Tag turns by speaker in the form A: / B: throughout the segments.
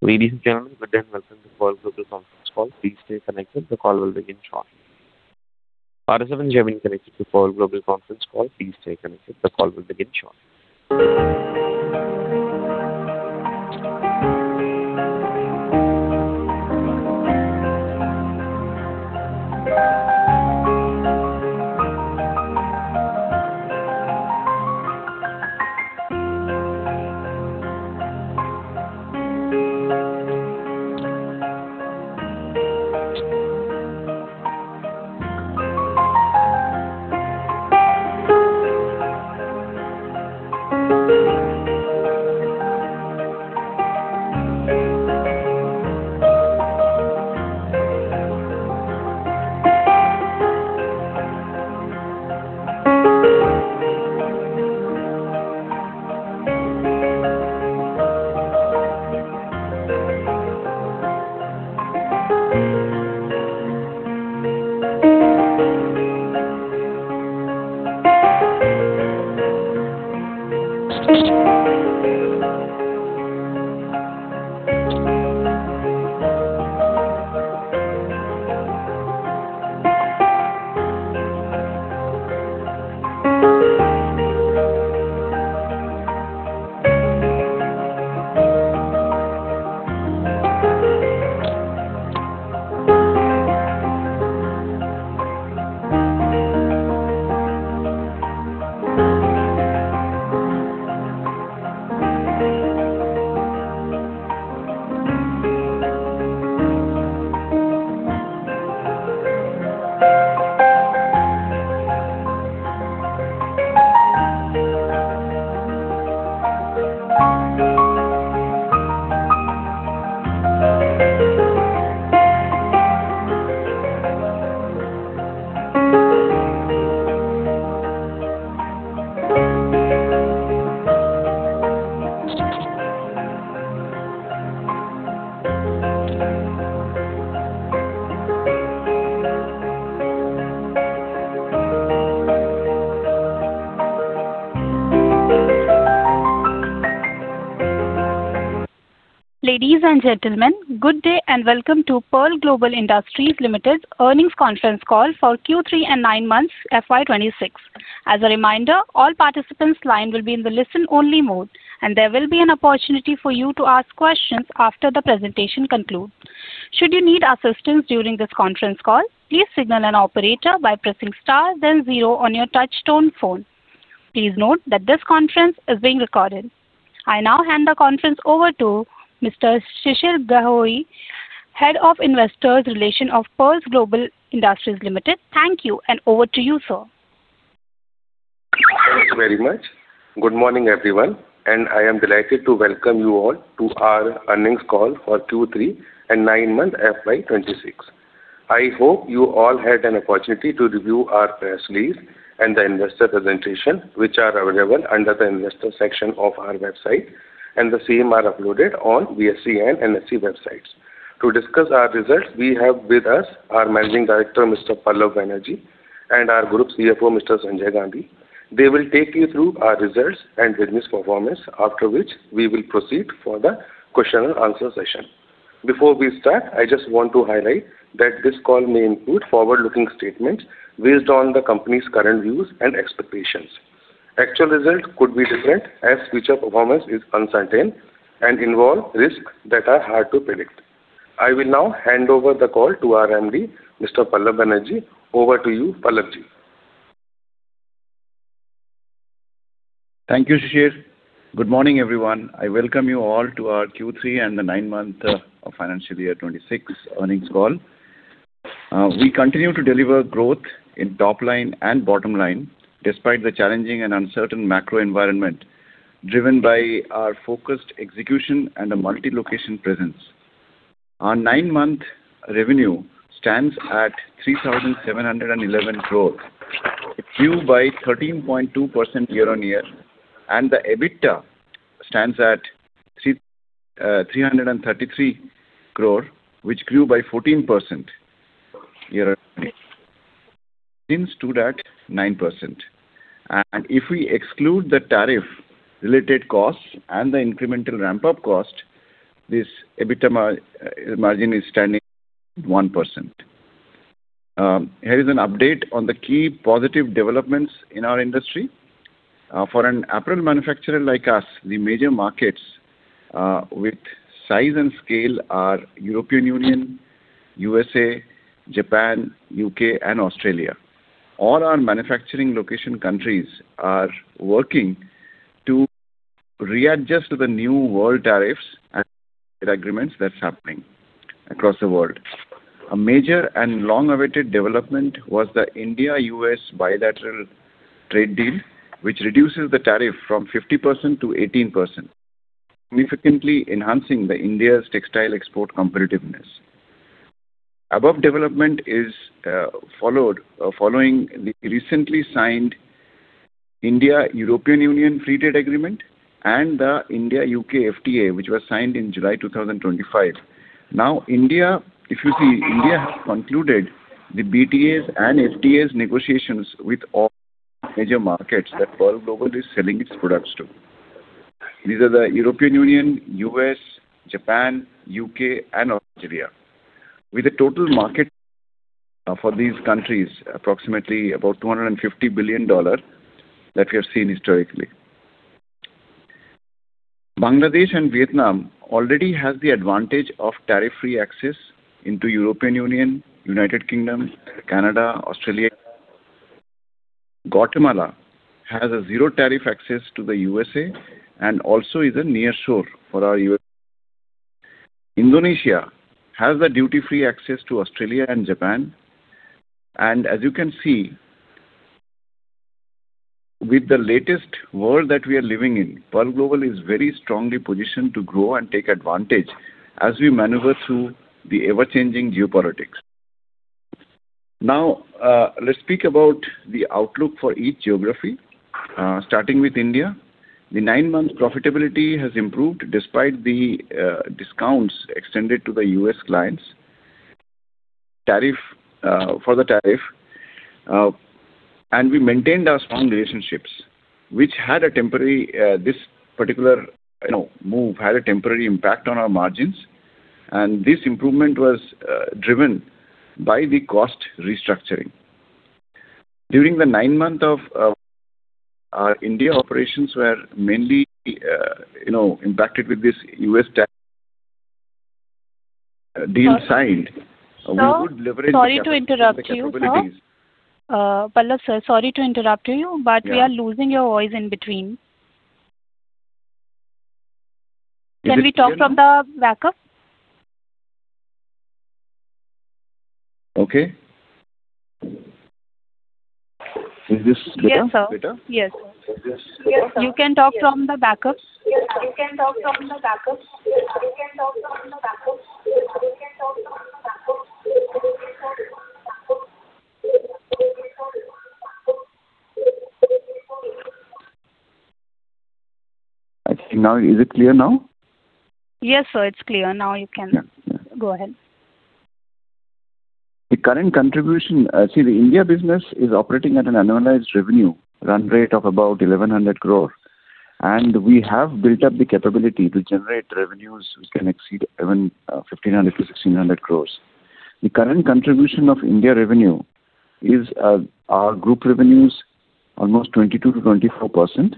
A: Ladies and gentlemen, good day and welcome to Pearl Global Industries Limited's earnings conference call for Q3 and nine months FY 2026. As a reminder, all participants' lines will be in the listen-only mode, and there will be an opportunity for you to ask questions after the presentation concludes. Should you need assistance during this conference call, please signal an operator by pressing star, then zero on your touch-tone phone. Please note that this conference is being recorded. I now hand the conference over to Mr. Shishir Gahoi, Head of Investor Relations of Pearl Global Industries Limited. Thank you, and over to you, sir.
B: Thanks very much. Good morning, everyone, and I am delighted to welcome you all to our earnings call for Q3 and nine months FY 2026. I hope you all had an opportunity to review our press release and the investor presentation, which are available under the investor section of our website, and the same are uploaded on BSE and NSE websites. To discuss our results, we have with us our Managing Director, Mr. Pallab Banerjee, and our Group CFO, Mr. Sanjay Gandhi. They will take you through our results and business performance, after which we will proceed for the question-and-answer session. Before we start, I just want to highlight that this call may include forward-looking statements based on the company's current views and expectations. Actual results could be different as future performance is uncertain and involve risks that are hard to predict. I will now hand over the call to our MD, Mr. Pallab Banerjee. Over to you, Pallabji.
C: Thank you, Shishir. Good morning, everyone. I welcome you all to our Q3 and the nine months of financial year 2026 earnings call. We continue to deliver growth in top line and bottom line despite the challenging and uncertain macro environment driven by our focused execution and a multi-location presence. Our nine-month revenue stands at 3,711 crore, grew by 13.2% year-on-year, and the EBITDA stands at 333 crore, which grew by 14% year-on-year. Since to that 9%. If we exclude the tariff-related costs and the incremental ramp-up cost, this EBITDA margin is standing at 10%. Here is an update on the key positive developments in our industry. For an apparel manufacturer like us, the major markets with size and scale are European Union, USA, Japan, U.K., and Australia. All our manufacturing location countries are working to readjust to the new world tariffs and trade agreements that's happening across the world. A major and long-awaited development was the India-U.S. bilateral trade deal, which reduces the tariff from 50%-18%, significantly enhancing India's textile export competitiveness. The above development is following the recently signed India-European Union Free Trade Agreement and the India-U.K. FTA, which was signed in July 2025. Now, if you see, India has concluded the BTAs and FTAs negotiations with all major markets that Pearl Global is selling its products to. These are the European Union, U.S., Japan, U.K., and Australia, with a total market for these countries approximately about $250 billion that we have seen historically. Bangladesh and Vietnam already have the advantage of tariff-free access into the European Union, United Kingdom, Canada, Australia. Guatemala has zero tariff access to the U.S.A. and also is a nearshore for our U.S. Indonesia has duty-free access to Australia and Japan. And as you can see, with the latest world that we are living in, Pearl Global is very strongly positioned to grow and take advantage as we maneuver through the ever-changing geopolitics. Now, let's speak about the outlook for each geography, starting with India. The 9-month profitability has improved despite the discounts extended to the U.S. clients for the tariff, and we maintained our strong relationships, which had a temporary impact on our margins from this particular move, and this improvement was driven by the cost restructuring. During the 9 months of our India operations, we were mainly impacted with this U.S. tariff deal signed. We would leverage the tax facilities.
A: Sorry to interrupt you, sir. Pallab sir, sorry to interrupt you, but we are losing your voice in between. Can we talk from the backup?
C: Okay. Is this better?
A: Yes, sir. Yes, sir. You can talk from the backup.
C: Now, is it clear now?
A: Yes, sir, it's clear. Now you can go ahead.
C: The current contribution see, the India business is operating at an annualized revenue run rate of about 1,100 crore, and we have built up the capability to generate revenues which can exceed even 1,500 crore-1,600 crore. The current contribution of India revenue is our group revenues almost 22%-24%.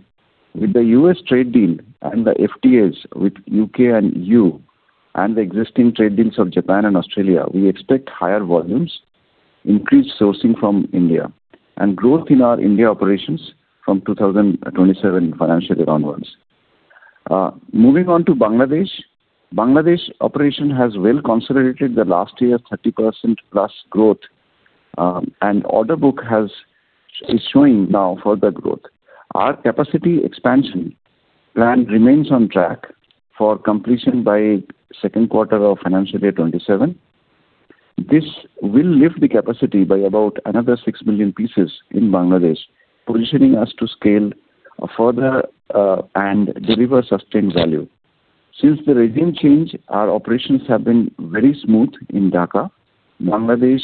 C: With the U.S. trade deal and the FTAs with U.K. and E.U. and the existing trade deals of Japan and Australia, we expect higher volumes, increased sourcing from India, and growth in our India operations from 2027 financial year onwards. Moving on to Bangladesh, Bangladesh operation has well consolidated the last year's 30%+ growth, and order book is showing now further growth. Our capacity expansion plan remains on track for completion by second quarter of financial year 2027. This will lift the capacity by about another 6 million pieces in Bangladesh, positioning us to scale further and deliver sustained value. Since the regime change, our operations have been very smooth in Dhaka. Bangladesh,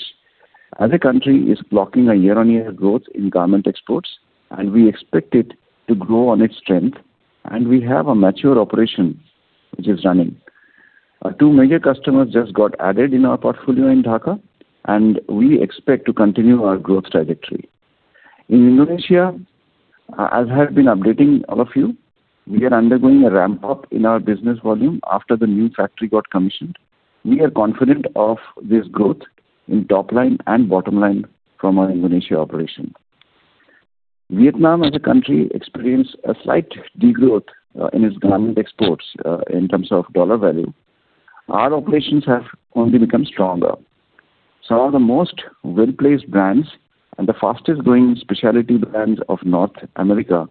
C: as a country, is blocking a year-on-year growth in garment exports, and we expect it to grow on its strength, and we have a mature operation which is running. Two major customers just got added in our portfolio in Dhaka, and we expect to continue our growth trajectory. In Indonesia, as I have been updating all of you, we are undergoing a ramp-up in our business volume after the new factory got commissioned. We are confident of this growth in top line and bottom line from our Indonesia operation. Vietnam, as a country, experienced a slight degrowth in its garment exports in terms of dollar value. Our operations have only become stronger. Some of the most well-placed brands and the fastest-growing specialty brands of North America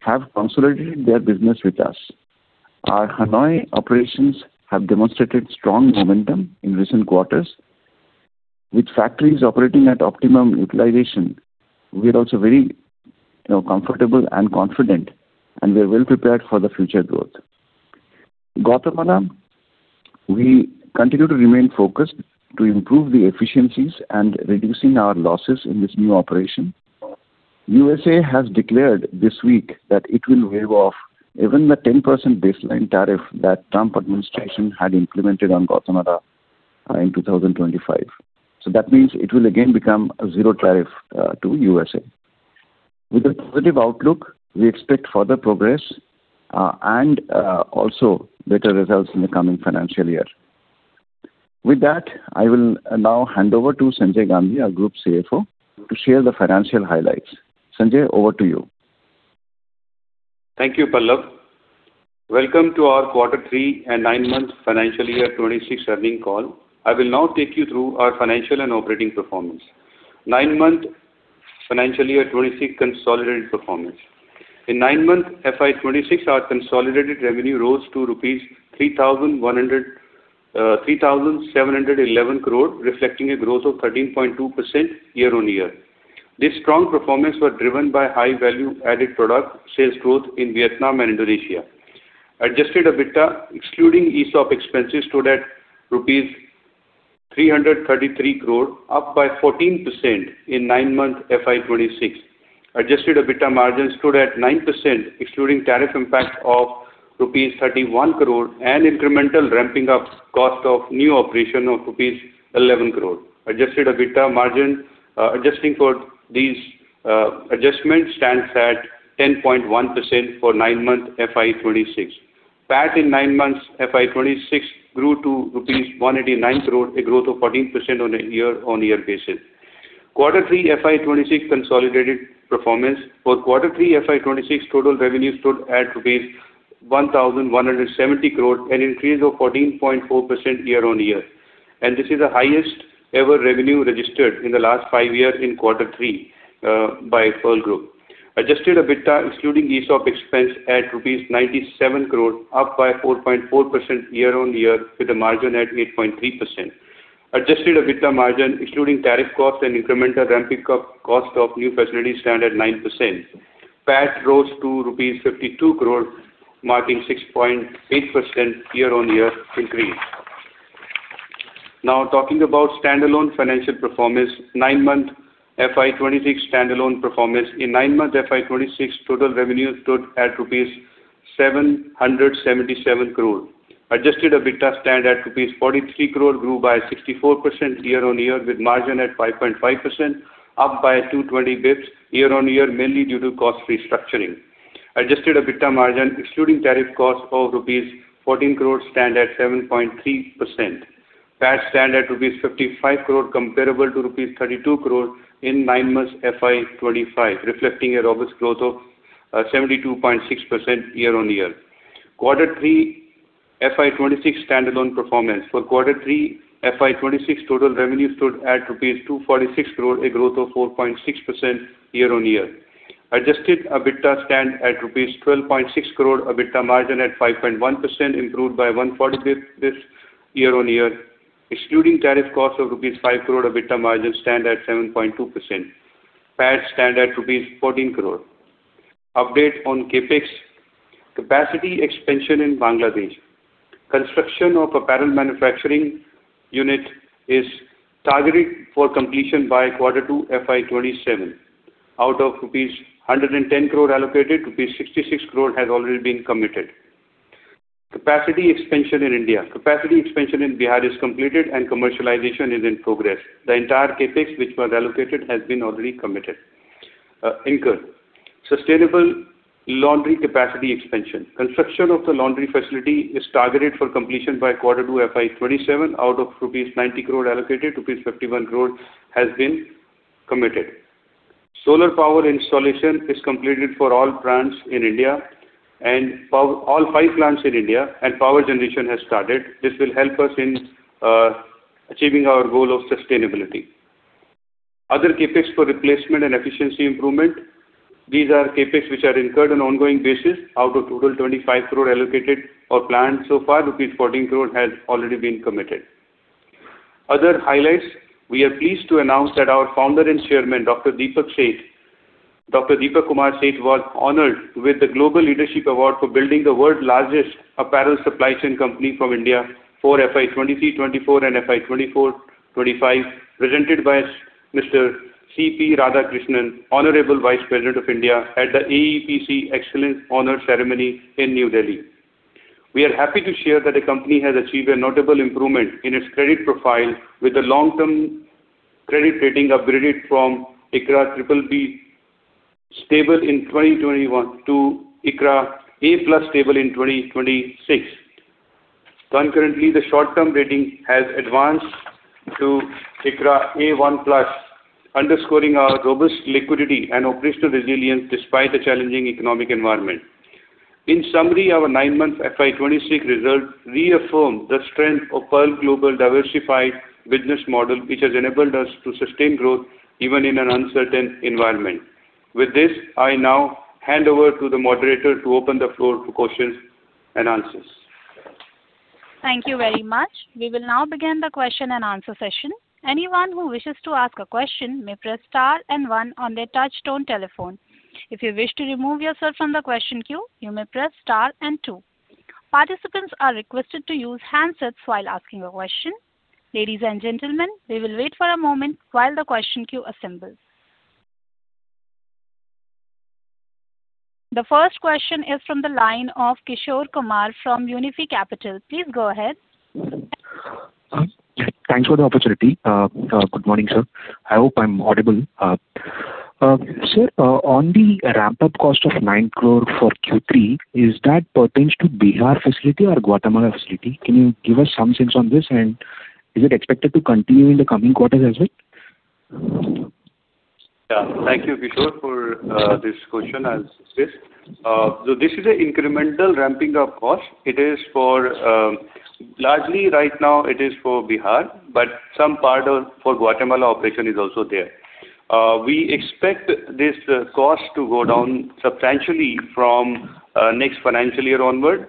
C: have consolidated their business with us. Our Hanoi operations have demonstrated strong momentum in recent quarters. With factories operating at optimum utilization, we are also very comfortable and confident, and we are well prepared for the future growth. Guatemala, we continue to remain focused to improve the efficiencies and reducing our losses in this new operation. USA has declared this week that it will waive off even the 10% baseline tariff that the Trump administration had implemented on Guatemala in 2025. So that means it will again become a zero tariff to USA. With a positive outlook, we expect further progress and also better results in the coming financial year. With that, I will now hand over to Sanjay Gandhi, our Group CFO, to share the financial highlights. Sanjay, over to you.
D: Thank you, Pallab. Welcome to our quarter three and nine-month financial year 2026 earnings call. I will now take you through our financial and operating performance. 9-month financial year 2026 consolidated performance. In 9-month FY 2026, our consolidated revenue rose to rupees 3,711 crore, reflecting a growth of 13.2% year-on-year. This strong performance was driven by high value-added product sales growth in Vietnam and Indonesia. Adjusted EBITDA excluding ESOP expenses stood at rupees 333 crore, up by 14% in 9-month FY 2026. Adjusted EBITDA margin stood at 9% excluding tariff impact of rupees 31 crore and incremental ramping up cost of new operation of rupees 11 crore. Adjusted EBITDA margin adjusting for these adjustments stands at 10.1% for 9-month FY 2026. PAT in 9-month FY 2026 grew to rupees 189 crore, a growth of 14% on a year-on-year basis. Quarter three FY 2026 consolidated performance. For quarter three FY 2026, total revenue stood at INR 1,170 crore, an increase of 14.4% year-over-year. This is the highest-ever revenue registered in the last five years in quarter three by Pearl Group. Adjusted EBITDA excluding ESOP expense at 97 crore rupees, up by 4.4% year-over-year with a margin at 8.3%. Adjusted EBITDA margin excluding tariff cost and incremental ramping up cost of new facilities stand at 9%. PAT rose to rupees 52 crore, marking 6.8% year-on-year increase. Now, talking about standalone financial performance. Nine-month FY 2026 standalone performance. In nine-month FY 2026, total revenue stood at rupees 777 crore. Adjusted EBITDA stand at rupees 43 crore, grew by 64% year-over-year with a margin at 5.5%, up by 220 bps year-over-year, mainly due to cost restructuring. Adjusted EBITDA margin excluding tariff cost of rupees 14 crore stand at 7.3%. PAT stands at rupees 55 crore, comparable to rupees 32 crore in 9-month FY 2025, reflecting a robust growth of 72.6% year-on-year. Quarter three FY 2026 standalone performance. For quarter three FY 2026, total revenue stood at rupees 246 crore, a growth of 4.6% year-on-year. Adjusted EBITDA stands at rupees 12.6 crore, EBITDA margin at 5.1%, improved by 140 bps year-on-year, excluding tariff cost of rupees 5 crore, EBITDA margin stands at 7.2%. PAT stands at rupees 14 crore. Update on CapEx. Capacity expansion in Bangladesh. Construction of a parallel manufacturing unit is targeted for completion by quarter two FY 2027. Out of rupees 110 crore allocated, rupees 66 crore has already been committed. Capacity expansion in India. Capacity expansion in Bihar is completed, and commercialization is in progress. The entire CapEx, which was allocated, has been already committed. Income. Sustainable laundry capacity expansion. Construction of the laundry facility is targeted for completion by quarter two FY 2027. Out of rupees 90 crore allocated, rupees 51 crore has been committed. Solar power installation is completed for all plants in India, and all five plants in India, and power generation has started. This will help us in achieving our goal of sustainability. Other CapEx for replacement and efficiency improvement. These are CapEx, which are incurred on an ongoing basis. Out of total 25 crore allocated or planned so far, rupees 14 crore has already been committed. Other highlights. We are pleased to announce that our founder and chairman, Dr. Deepak Kumar Seth, was honored with the Global Leadership Award for building the world's largest apparel supply chain company from India for FY 2023-2024 and FY 2024-2025, presented by Mr. C.P. Radhakrishnan, Honorable Vice President of India, at the AEPC Excellence Honor Ceremony in New Delhi. We are happy to share that the company has achieved a notable improvement in its credit profile, with a long-term credit rating upgraded from ICRA BBB stable in 2021 to ICRA A+ stable in 2026. Concurrently, the short-term rating has advanced to ICRA A1+, underscoring our robust liquidity and operational resilience despite the challenging economic environment. In summary, our 9-month FY 2026 result reaffirmed the strength of Pearl Global's diversified business model, which has enabled us to sustain growth even in an uncertain environment. With this, I now hand over to the moderator to open the floor for questions and answers.
A: Thank you very much. We will now begin the question and answer session. Anyone who wishes to ask a question may press star and one on their touch-tone telephone. If you wish to remove yourself from the question queue, you may press star and two. Participants are requested to use handsets while asking a question. Ladies and gentlemen, we will wait for a moment while the question queue assembles. The first question is from the line of Kishore Kumar from Unifi Capital. Please go ahead.
E: Thanks for the opportunity. Good morning, sir. I hope I'm audible. Sir, on the ramp-up cost of 9 crore for Q3, is that pertains to Bihar facility or Guatemala facility? Can you give us some sense on this, and is it expected to continue in the coming quarters as well?
D: Yeah. Thank you, Kishore, for this question as it is. So this is an incremental ramping up cost. Largely, right now, it is for Bihar, but some part for Guatemala operation is also there. We expect this cost to go down substantially from next financial year onward.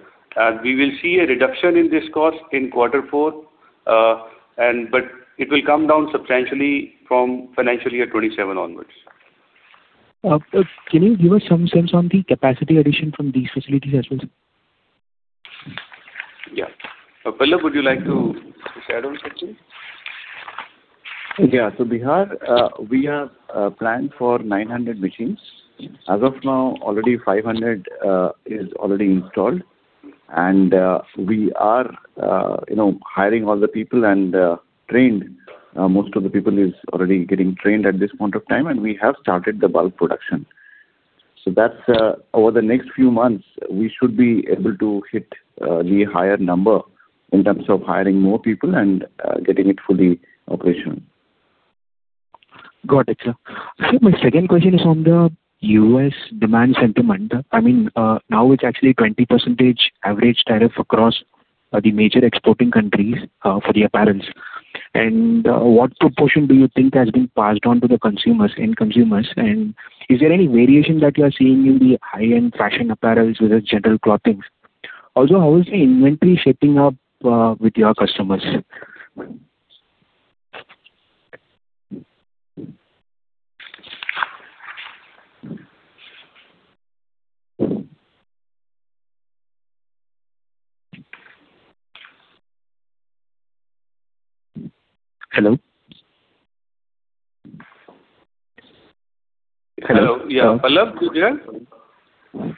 D: We will see a reduction in this cost in quarter four, but it will come down substantially from financial year 2027 onwards.
E: Can you give us some sense on the capacity addition from these facilities as well, sir?
D: Yeah. Pallab, would you like to share on something?
C: Yeah. So Bihar, we have planned for 900 machines. As of now, already 500 is already installed. And we are hiring all the people and trained. Most of the people are already getting trained at this point of time, and we have started the bulk production. So over the next few months, we should be able to hit the higher number in terms of hiring more people and getting it fully operational.
E: Got it, sir. Sir, my second question is on the U.S. demand sentiment. I mean, now it's actually 20% average tariff across the major exporting countries for the apparels. What proportion do you think has been passed on to the consumers and consumers? Is there any variation that you are seeing in the high-end fashion apparels within general clothings? Also, how is the inventory shaping up with your customers? Hello? Hello?
D: Hello. Yeah. Pallab, did you hear us?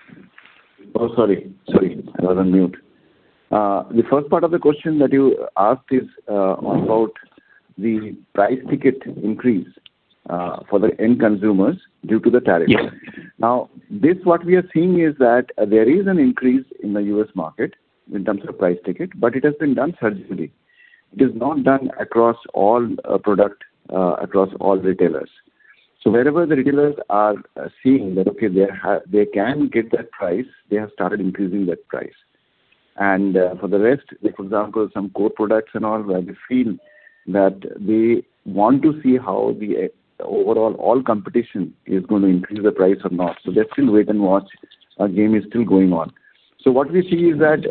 C: Oh, sorry. Sorry. I was on mute. The first part of the question that you asked is about the price ticket increase for the end consumers due to the tariff. Now, what we are seeing is that there is an increase in the U.S. market in terms of price ticket, but it has been done surgically. It is not done across all products, across all retailers. So wherever the retailers are seeing that, "Okay, they can get that price," they have started increasing that price. And for the rest, for example, some core products and all where they feel that they want to see how the overall competition is going to increase the price or not. So they still wait and watch. Our game is still going on. So what we see is that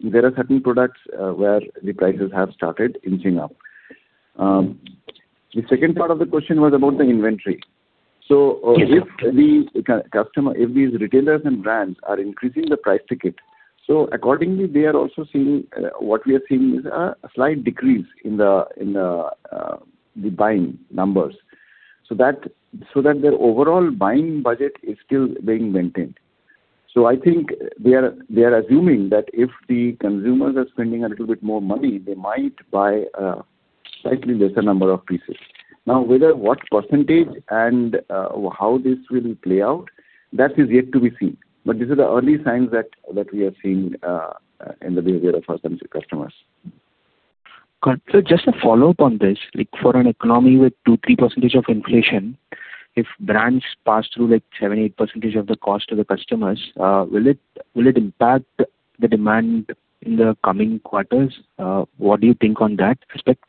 C: there are certain products where the prices have started inching up. The second part of the question was about the inventory. So if these retailers and brands are increasing the price ticket, so accordingly, they are also seeing what we are seeing is a slight decrease in the buying numbers so that their overall buying budget is still being maintained. So I think they are assuming that if the consumer is spending a little bit more money, they might buy a slightly lesser number of pieces. Now, whether what percentage and how this will play out, that is yet to be seen. But these are the early signs that we are seeing in the behavior of our customers.
E: Got it. So just a follow-up on this. For an economy with 2%-3% of inflation, if brands pass through 7%-8% of the cost to the customers, will it impact the demand in the coming quarters? What do you think on that aspect?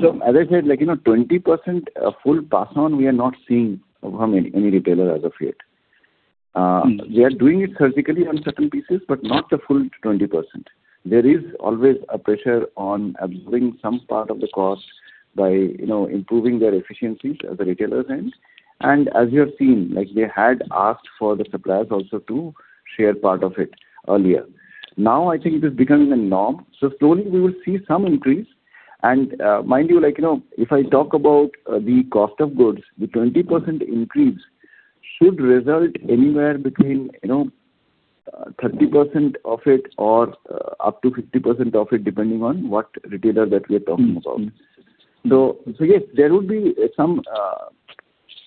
C: Sir, as I said, 20% full pass on, we are not seeing from any retailer as of yet. They are doing it surgically on certain pieces, but not the full 20%. There is always a pressure on absorbing some part of the cost by improving their efficiencies as a retailer's end. And as you have seen, they had asked for the suppliers also to share part of it earlier. Now, I think it is becoming a norm. So slowly, we will see some increase. And mind you, if I talk about the cost of goods, the 20% increase should result anywhere between 30% of it or up to 50% of it, depending on what retailer that we are talking about. So yes, there would be some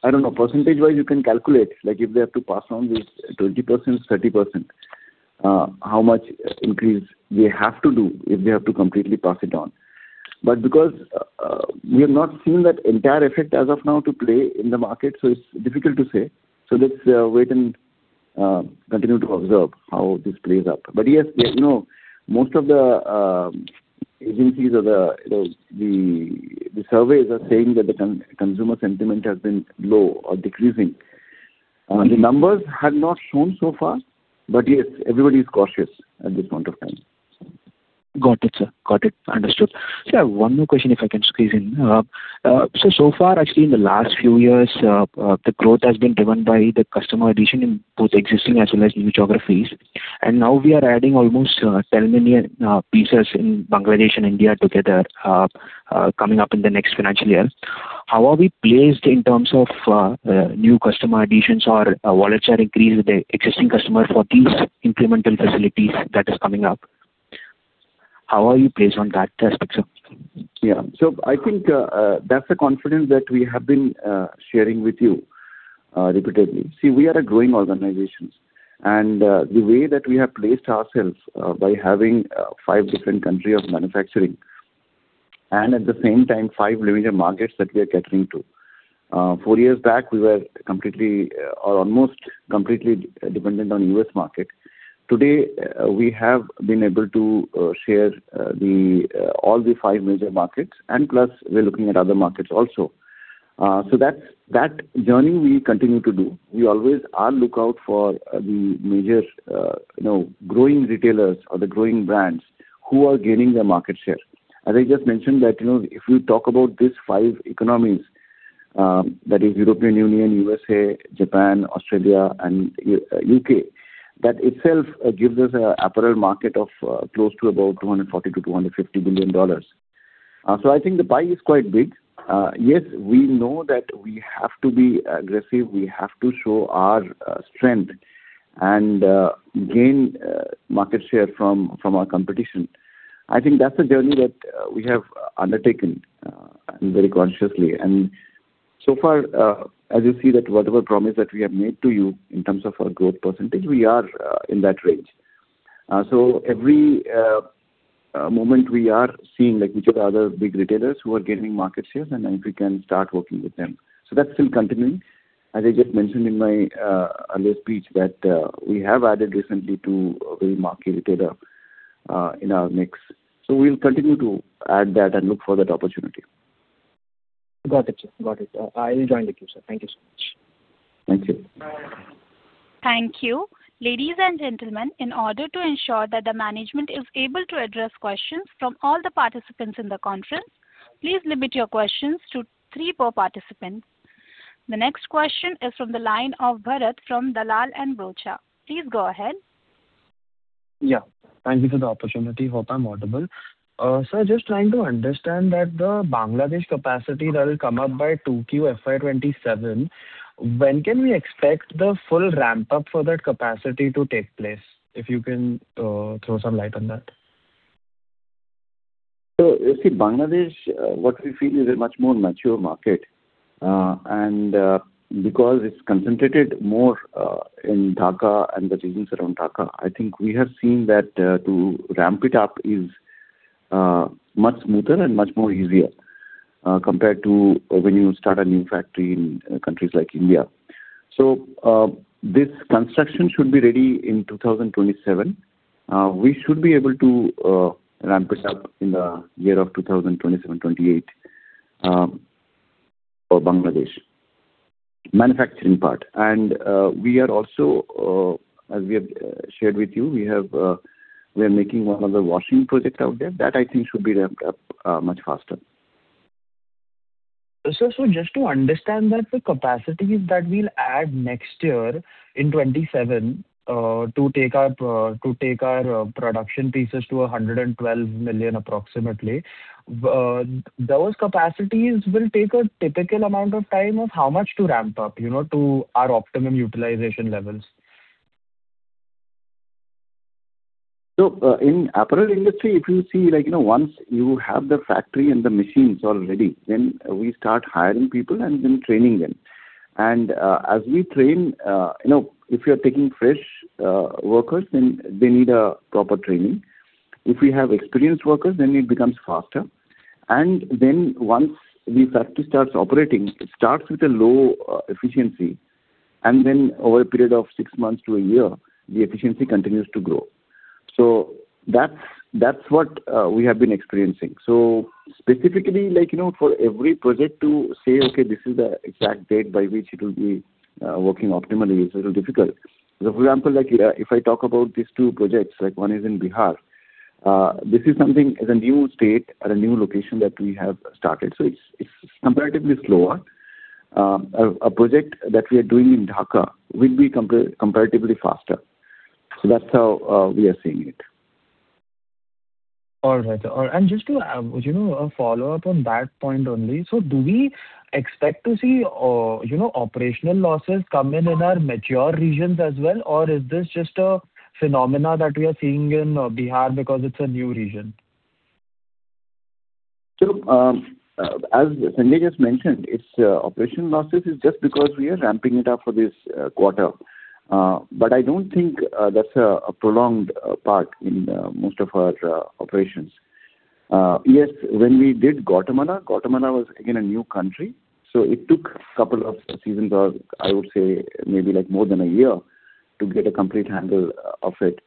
C: I don't know. Percentage-wise, you can calculate if they have to pass on this 20%, 30%, how much increase they have to do if they have to completely pass it on. But because we have not seen that entire effect as of now to play in the market, so it's difficult to say. So let's wait and continue to observe how this plays out. But yes, most of the agencies or the surveys are saying that the consumer sentiment has been low or decreasing. The numbers have not shown so far, but yes, everybody is cautious at this point of time.
E: Got it, sir. Got it. Understood. Sir, one more question if I can squeeze in. Sir, so far, actually, in the last few years, the growth has been driven by the customer addition in both existing as well as new geographies. And now, we are adding almost 10 million pieces in Bangladesh and India together, coming up in the next financial year. How are we placed in terms of new customer additions or wallet share increase with the existing customer for these incremental facilities that are coming up? How are you placed on that aspect, sir?
C: Yeah. So I think that's a confidence that we have been sharing with you repeatedly. See, we are a growing organization. And the way that we have placed ourselves by having five different countries of manufacturing and at the same time, five major markets that we are catering to. Four years back, we were almost completely dependent on the U.S. market. Today, we have been able to share all the five major markets, and plus, we're looking at other markets also. So that journey we continue to do. We always are lookout for the major growing retailers or the growing brands who are gaining their market share. As I just mentioned, if we talk about these five economies that are European Union, USA, Japan, Australia, and U.K., that itself gives us an apparel market of close to about $240 billion-$250 billion. So I think the pie is quite big. Yes, we know that we have to be aggressive. We have to show our strength and gain market share from our competition. I think that's a journey that we have undertaken very consciously. And so far, as you see that whatever promise that we have made to you in terms of our growth percentage, we are in that range. So every moment, we are seeing which are the other big retailers who are gaining market share, and then we can start working with them. So that's still continuing. As I just mentioned in my earlier speech, we have added recently to a very marquee retailer in our mix. So we'll continue to add that and look for that opportunity.
E: Got it, sir. Got it. I'll join the queue, sir. Thank you so much.
C: Thank you.
A: Thank you. Ladies and gentlemen, in order to ensure that the management is able to address questions from all the participants in the conference, please limit your questions to three per participant. The next question is from the line of Bharat from Dalal & Broacha. Please go ahead.
F: Yeah. Thank you for the opportunity. Hope I'm audible. Sir, just trying to understand that the Bangladesh capacity that will come up by 2Q FY 2027, when can we expect the full ramp-up for that capacity to take place? If you can throw some light on that.
C: So you see, Bangladesh, what we feel is a much more mature market. And because it's concentrated more in Dhaka and the regions around Dhaka, I think we have seen that to ramp it up is much smoother and much more easier compared to when you start a new factory in countries like India. So this construction should be ready in 2027. We should be able to ramp it up in the year of 2027-2028 for Bangladesh, manufacturing part. And we are also, as we have shared with you, we are making one of the washing projects out there. That, I think, should be ramped up much faster.
F: Sir, so just to understand that the capacities that we'll add next year in 2027 to take our production pieces to 112 million approximately, those capacities will take a typical amount of time of how much to ramp up to our optimum utilization levels?
C: So in apparel industry, if you see, once you have the factory and the machines already, then we start hiring people and then training them. And as we train, if you're taking fresh workers, then they need proper training. If we have experienced workers, then it becomes faster. And then once the factory starts operating, it starts with a low efficiency. And then over a period of six months to a year, the efficiency continues to grow. So that's what we have been experiencing. So specifically, for every project to say, "Okay, this is the exact date by which it will be working optimally," is a little difficult. So for example, if I talk about these two projects, one is in Bihar. This is something as a new state at a new location that we have started. So it's comparatively slower. A project that we are doing in Dhaka will be comparatively faster. So that's how we are seeing it.
F: All right. Just to add, would you know a follow-up on that point only? So do we expect to see operational losses come in in our mature regions as well, or is this just a phenomenon that we are seeing in Bihar because it's a new region?
C: Sir, as Sanjay just mentioned, operational losses is just because we are ramping it up for this quarter. But I don't think that's a prolonged part in most of our operations. Yes, when we did Guatemala, Guatemala was, again, a new country. So it took a couple of seasons, or I would say maybe more than a year, to get a complete handle of it.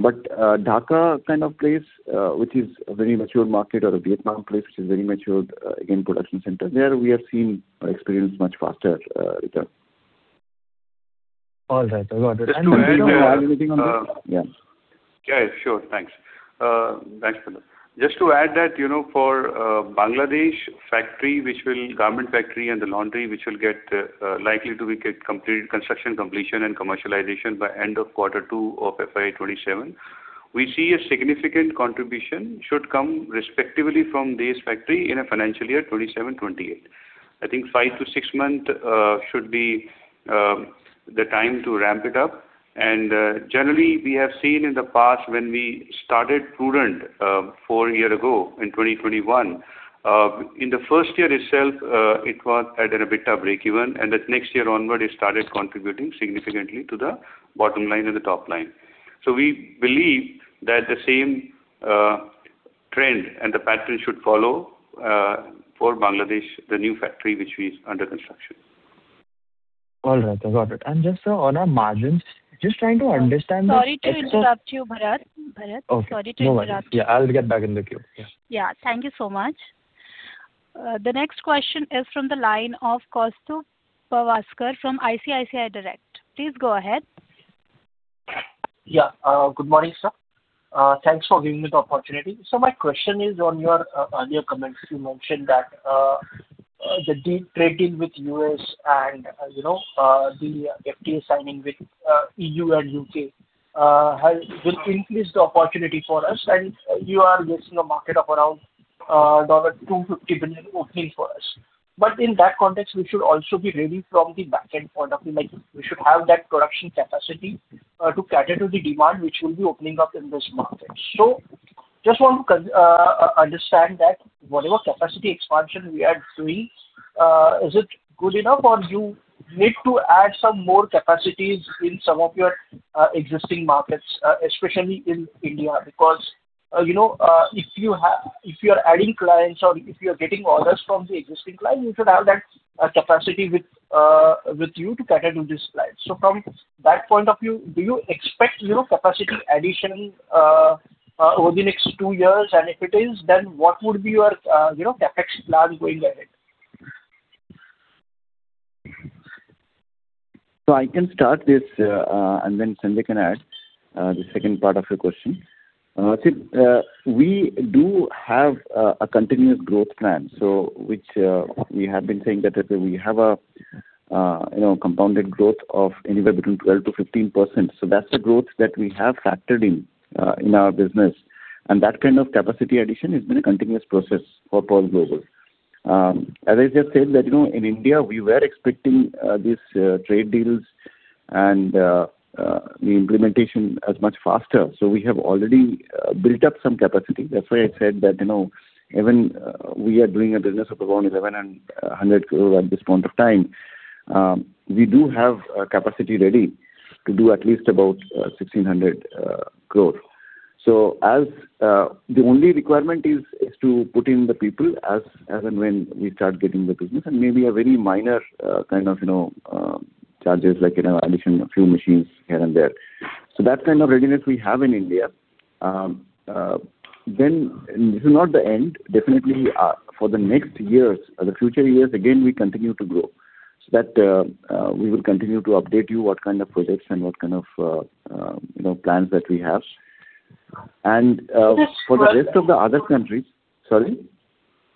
C: But Dhaka kind of place, which is a very mature market, or a Vietnam place, which is a very mature, again, production center, there we have seen or experienced much faster return.
F: All right. Got it. And.
C: Just to add anything on this? Yeah.
D: Yeah. Sure. Thanks. Thanks, Pallab. Just to add that, for Bangladesh factory, which will government factory and the laundry, which will likely to be completed construction completion and commercialization by end of quarter 2 of FY 2027, we see a significant contribution should come respectively from these factories in a financial year 2027-2028. I think 5-6 months should be the time to ramp it up. And generally, we have seen in the past when we started Prudent four years ago in 2021, in the first year itself, it was at a bit of break-even. And then next year onward, it started contributing significantly to the bottom line and the top line. So we believe that the same trend and the pattern should follow for Bangladesh, the new factory, which is under construction.
F: All right. Got it. And just, sir, on our margins, just trying to understand the.
A: Sorry to interrupt you, Bharat. Bharat, sorry to interrupt you.
F: No worries. Yeah. I'll get back in the queue. Yeah.
A: Yeah. Thank you so much. The next question is from the line of Kaustubh Pawaskar from ICICI Direct. Please go ahead.
G: Yeah. Good morning, sir. Thanks for giving me the opportunity. My question is on your earlier comments. You mentioned that the trade deal with the U.S. and the FTA signing with EU and U.K. will increase the opportunity for us. You are guessing a market of around $250 billion opening for us. In that context, we should also be ready from the back-end point of view. We should have that production capacity to cater to the demand, which will be opening up in this market. Just want to understand that whatever capacity expansion we are doing, is it good enough, or do you need to add some more capacities in some of your existing markets, especially in India? Because if you are adding clients or if you are getting orders from the existing client, you should have that capacity with you to cater to these clients. From that point of view, do you expect capacity addition over the next two years? If it is, then what would be your CapEx plan going ahead?
C: So I can start this, and then Sanjay can add the second part of your question. See, we do have a continuous growth plan, which we have been saying that we have a compounded growth of anywhere between 12%-15%. So that's the growth that we have factored in in our business. And that kind of capacity addition has been a continuous process for Pearl Global. As I just said, in India, we were expecting these trade deals and the implementation as much faster. So we have already built up some capacity. That's why I said that even we are doing a business of around 1,100 crore at this point of time, we do have capacity ready to do at least about 1,600 crore. So the only requirement is to put in the people as and when we start getting the business and maybe a very minor kind of charges, like addition of a few machines here and there. So that kind of readiness we have in India. Then this is not the end. Definitely, for the next years, the future years, again, we continue to grow. So we will continue to update you what kind of projects and what kind of plans that we have. And for the rest of the other countries sorry?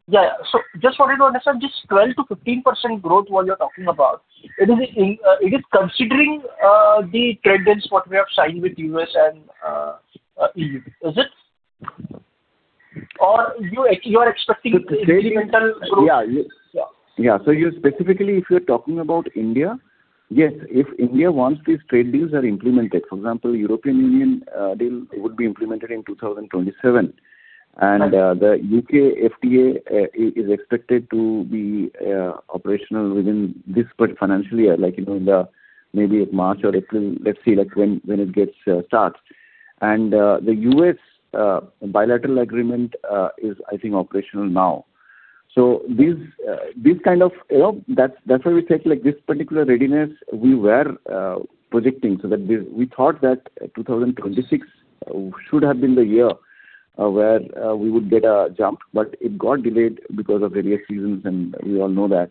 G: Yeah. So just wanted to understand this 12%-15% growth while you're talking about, it is considering the trade deals what we have signed with the U.S. and EU, is it? Or you are expecting incremental growth?
C: Yeah. Yeah. So specifically, if you're talking about India, yes, if India wants these trade deals are implemented. For example, the European Union deal would be implemented in 2027. And the U.K. FTA is expected to be operational within this financial year, like maybe March or April. Let's see when it starts. And the U.S. bilateral agreement is, I think, operational now. So this kind of that's why we said this particular readiness, we were projecting so that we thought that 2026 should have been the year where we would get a jump. But it got delayed because of various reasons, and we all know that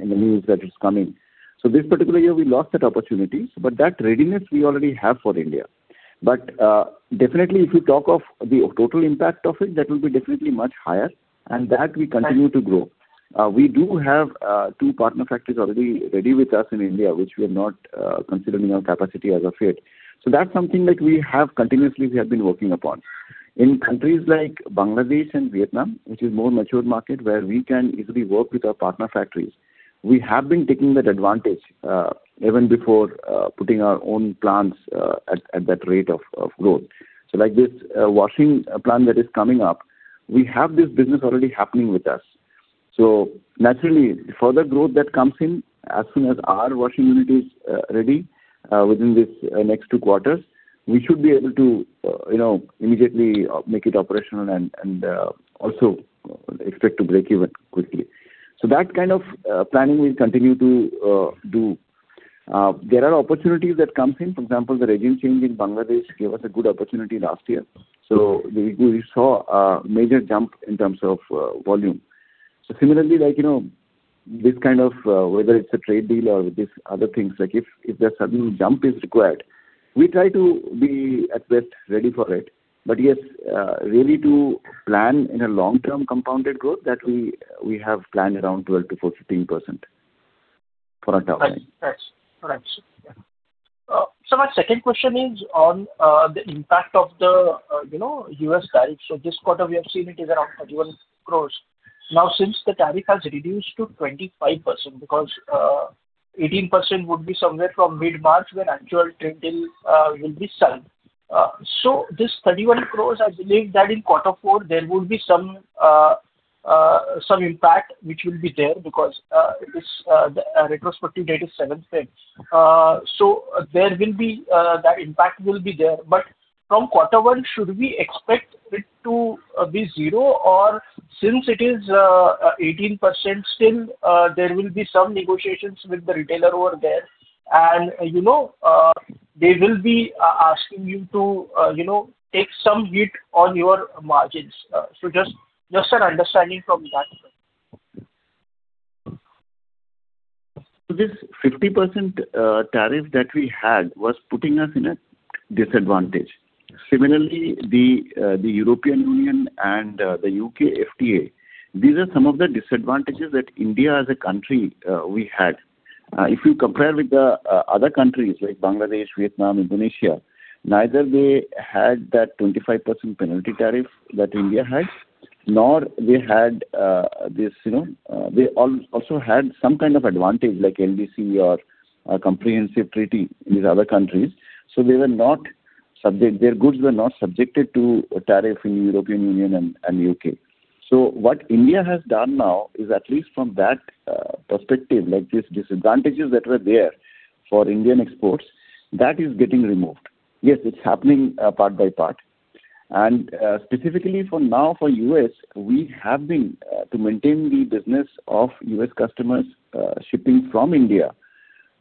C: in the news that it's coming. So this particular year, we lost that opportunity. But that readiness, we already have for India. But definitely, if you talk of the total impact of it, that will be definitely much higher. And that we continue to grow. We do have two partner factories already ready with us in India, which we are not considering our capacity as of yet. So that's something that we have continuously been working upon. In countries like Bangladesh and Vietnam, which is a more mature market where we can easily work with our partner factories, we have been taking that advantage even before putting our own plants at that rate of growth. So like this washing plant that is coming up, we have this business already happening with us. So naturally, further growth that comes in as soon as our washing unit is ready within these next two quarters, we should be able to immediately make it operational and also expect to break-even quickly. So that kind of planning, we continue to do. There are opportunities that come in. For example, the regime change in Bangladesh gave us a good opportunity last year. So we saw a major jump in terms of volume. So similarly, this kind of whether it's a trade deal or these other things, if there's a sudden jump is required, we try to be at best ready for it. But yes, really to plan in a long-term compounded growth, that we have planned around 12%-14% for our top line.
G: Thanks. Thanks. Yeah. My second question is on the impact of the U.S. tariffs. This quarter, we have seen it is around 31 crore. Now, since the tariff has reduced to 25% because 18% would be somewhere from mid-March when actual trade deal will be signed, this 31 crore, I believe that in quarter four, there would be some impact which will be there because the retrospective date is 7th May. There will be that impact will be there. But from quarter one, should we expect it to be zero? Or since it is 18% still, there will be some negotiations with the retailer over there. And they will be asking you to take some heat on your margins. Just an understanding from that.
C: So this 50% tariff that we had was putting us in a disadvantage. Similarly, the European Union and the U.K. FTA, these are some of the disadvantages that India as a country, we had. If you compare with the other countries like Bangladesh, Vietnam, Indonesia, neither they had that 25% penalty tariff that India had, nor they had this they also had some kind of advantage like LDC or Comprehensive Treaty in these other countries. So they were not subject their goods were not subjected to a tariff in the European Union and U.K. So what India has done now is at least from that perspective, these disadvantages that were there for Indian exports, that is getting removed. Yes, it's happening part by part. And specifically for now, for the U.S., we have been to maintain the business of U.S. customers shipping from India,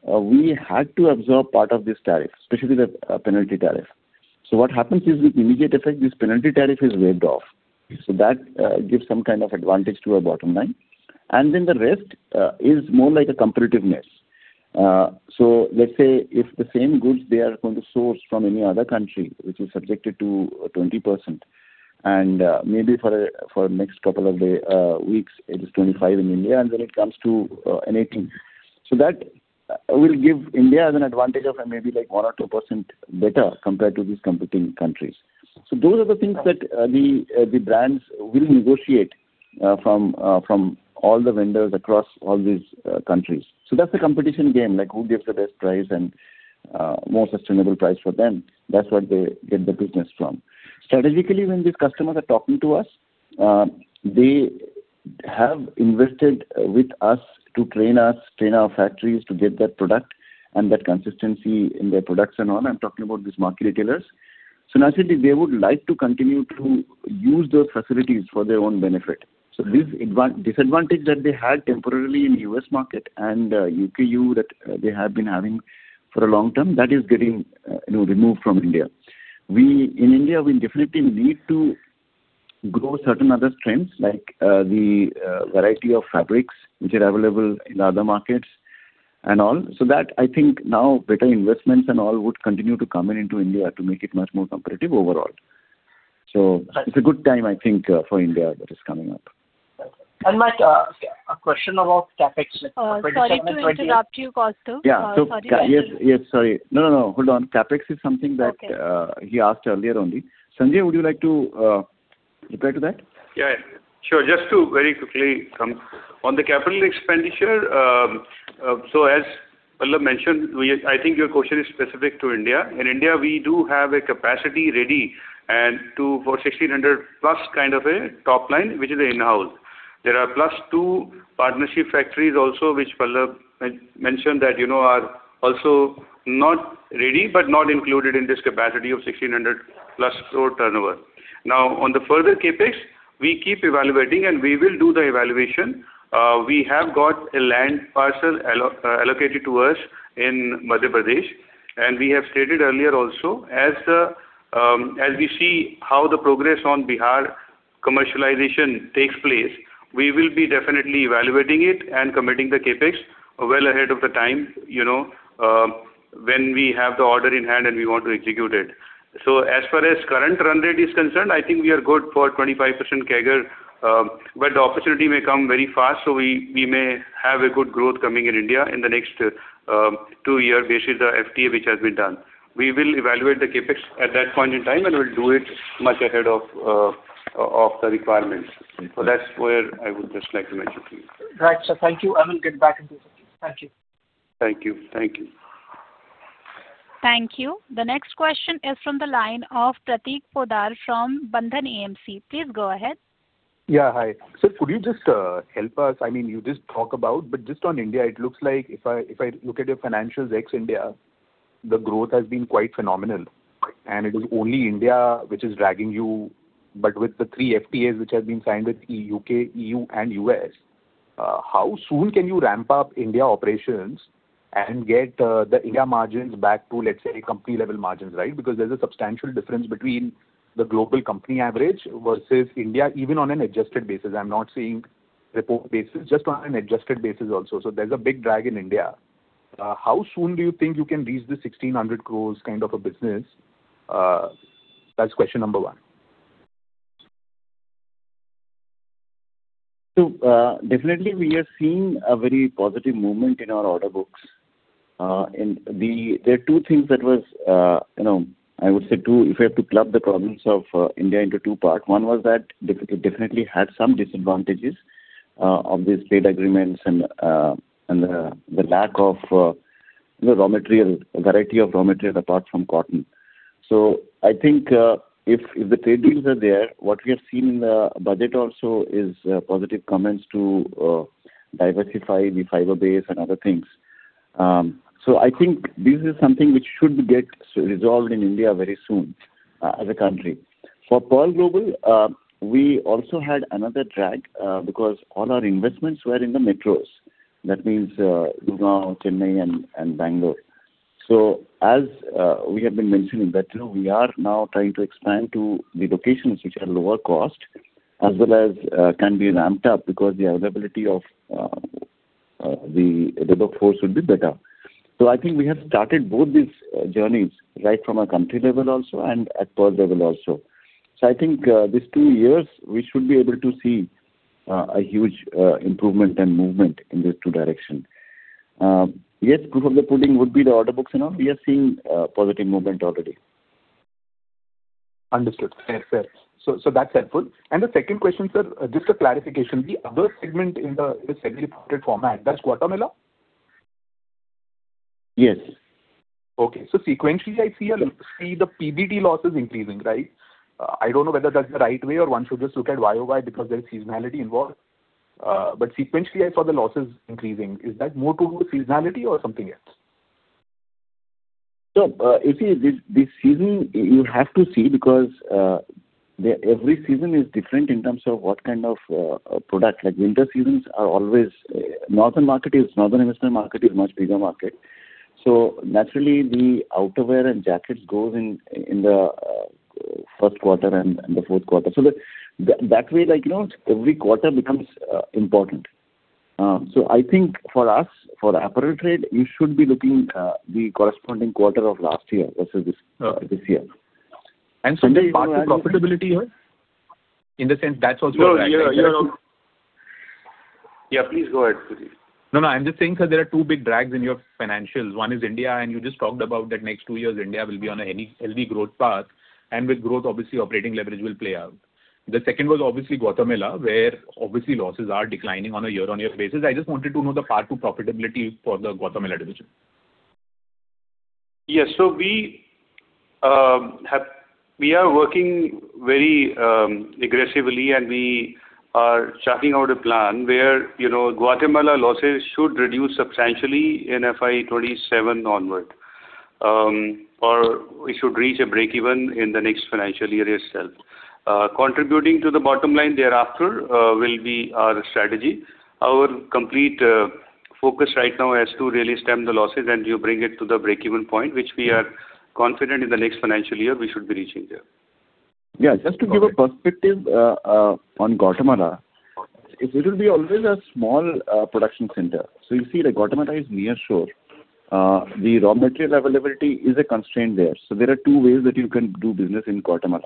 C: we had to absorb part of this tariff, especially the penalty tariff. So what happens is with immediate effect, this penalty tariff is waived off. So that gives some kind of advantage to our bottom line. And then the rest is more like a competitiveness. So let's say if the same goods they are going to source from any other country, which is subjected to 20%, and maybe for the next couple of weeks, it is 25% in India, and then it comes to anything. So that will give India an advantage of maybe 1%-2% better compared to these competing countries. So those are the things that the brands will negotiate from all the vendors across all these countries. So that's the competition game, like who gives the best price and most sustainable price for them. That's what they get the business from. Strategically, when these customers are talking to us, they have invested with us to train us, train our factories to get that product and that consistency in their production and all. I'm talking about these market retailers. So naturally, they would like to continue to use those facilities for their own benefit. So this disadvantage that they had temporarily in the U.S. market and U.K. that they have been having for a long time, that is getting removed from India. In India, we definitely need to grow certain other strengths like the variety of fabrics which are available in other markets and all. So that, I think now, better investments and all would continue to come in into India to make it much more competitive overall. It's a good time, I think, for India that is coming up.
G: Mike, a question about CapEx for 2020.
A: Sorry to interrupt you, Kaustubh. Sorry about that.
C: Yes. Yes. Sorry. No, no, no. Hold on. CapEx is something that he asked earlier only. Sanjay, would you like to refer to that?
D: Yeah. Yeah. Sure. Just to very quickly come on the capital expenditure. So as Pallab mentioned, I think your question is specific to India. In India, we do have a capacity ready for 1,600+ kind of a top line, which is in-house. There are 2 partnership factories also, which Pallab mentioned that are also not ready but not included in this capacity of 1,600+ crore turnover. Now, on the further CapEx, we keep evaluating, and we will do the evaluation. We have got a land parcel allocated to us in Madhya Pradesh. We have stated earlier also, as we see how the progress on Bihar commercialization takes place, we will be definitely evaluating it and committing the CapEx well ahead of the time when we have the order in hand and we want to execute it. As far as current run rate is concerned, I think we are good for 25% CAGR. But the opportunity may come very fast, so we may have a good growth coming in India in the next two year based on the FTA which has been done. We will evaluate the CapEx at that point in time, and we'll do it much ahead of the requirements. That's where I would just like to mention to you.
G: Right. So thank you. I will get back into it. Thank you.
D: Thank you. Thank you.
A: Thank you. The next question is from the line of Prateek Poddar from Bandhan AMC. Please go ahead.
H: Yeah. Hi. Sir, could you just help us? I mean, you just talked about but just on India, it looks like if I look at your financials, ex-India, the growth has been quite phenomenal. And it is only India which is dragging you. But with the three FTAs which have been signed with E.U., U.K., E.U., and U.S., how soon can you ramp up India operations and get the India margins back to, let's say, company-level margins, right? Because there's a substantial difference between the global company average versus India, even on an adjusted basis. I'm not saying report basis, just on an adjusted basis also. So there's a big drag in India. How soon do you think you can reach the 1,600 crores kind of a business? That's question number one. So definitely, we are seeing a very positive movement in our order books.
C: There are two things that was, I would say, two, if I have to club the problems of India into two parts. One was that it definitely had some disadvantages of these trade agreements and the lack of raw material, variety of raw material apart from cotton. So I think if the trade deals are there, what we have seen in the budget also is positive comments to diversify the fiber base and other things. So I think this is something which should get resolved in India very soon as a country. For Pearl Global, we also had another drag because all our investments were in the metros. That means Gujarat, Chennai, and Bangalore. So as we have been mentioning before, we are now trying to expand to the locations which are lower cost as well as can be ramped up because the availability of the workforce would be better. So I think we have started both these journeys right from our country level also and at Pearl Global also. So I think these two years, we should be able to see a huge improvement and movement in these two directions. Yes, proof of the pudding would be the order books and all. We are seeing positive movement already.
H: Understood. Fair. Fair. So that's helpful. The second question, sir, just a clarification, the other segment in the semi-reported format, that's Guatemala?
C: Yes.
H: Okay. So sequentially, I see the PBD losses increasing, right? I don't know whether that's the right way or one should just look at YoY because there's seasonality involved. But sequentially, I saw the losses increasing. Is that more to do with seasonality or something else?
C: So you see, this season, you have to see because every season is different in terms of what kind of product. Winter seasons are always northern market is northern investment market is a much bigger market. So naturally, the outerwear and jackets go in the first quarter and the fourth quarter. So that way, every quarter becomes important. So I think for us, for apparel trade, you should be looking at the corresponding quarter of last year versus this year.
H: Is it partly profitability here? In the sense, that's also a drag.
D: Yeah. Yeah. Yeah. Yeah. Please go ahead, Prateek.
H: No, no. I'm just saying, sir, there are two big drags in your financials. One is India, and you just talked about that next two years, India will be on a healthy growth path. With growth, obviously, operating leverage will play out. The second was obviously Guatemala where obviously, losses are declining on a year-on-year basis. I just wanted to know the part to profitability for the Guatemala division.
D: Yes. So we are working very aggressively, and we are charting out a plan where Guatemala losses should reduce substantially in FY 2027 onward, or it should reach a break-even in the next financial year itself. Contributing to the bottom line thereafter will be our strategy. Our complete focus right now is to really stem the losses, and you bring it to the break-even point, which we are confident in the next financial year, we should be reaching there.
C: Yeah. Just to give a perspective on Guatemala, it will be always a small production center. So you see, Guatemala is nearshore. The raw material availability is a constraint there. So there are two ways that you can do business in Guatemala.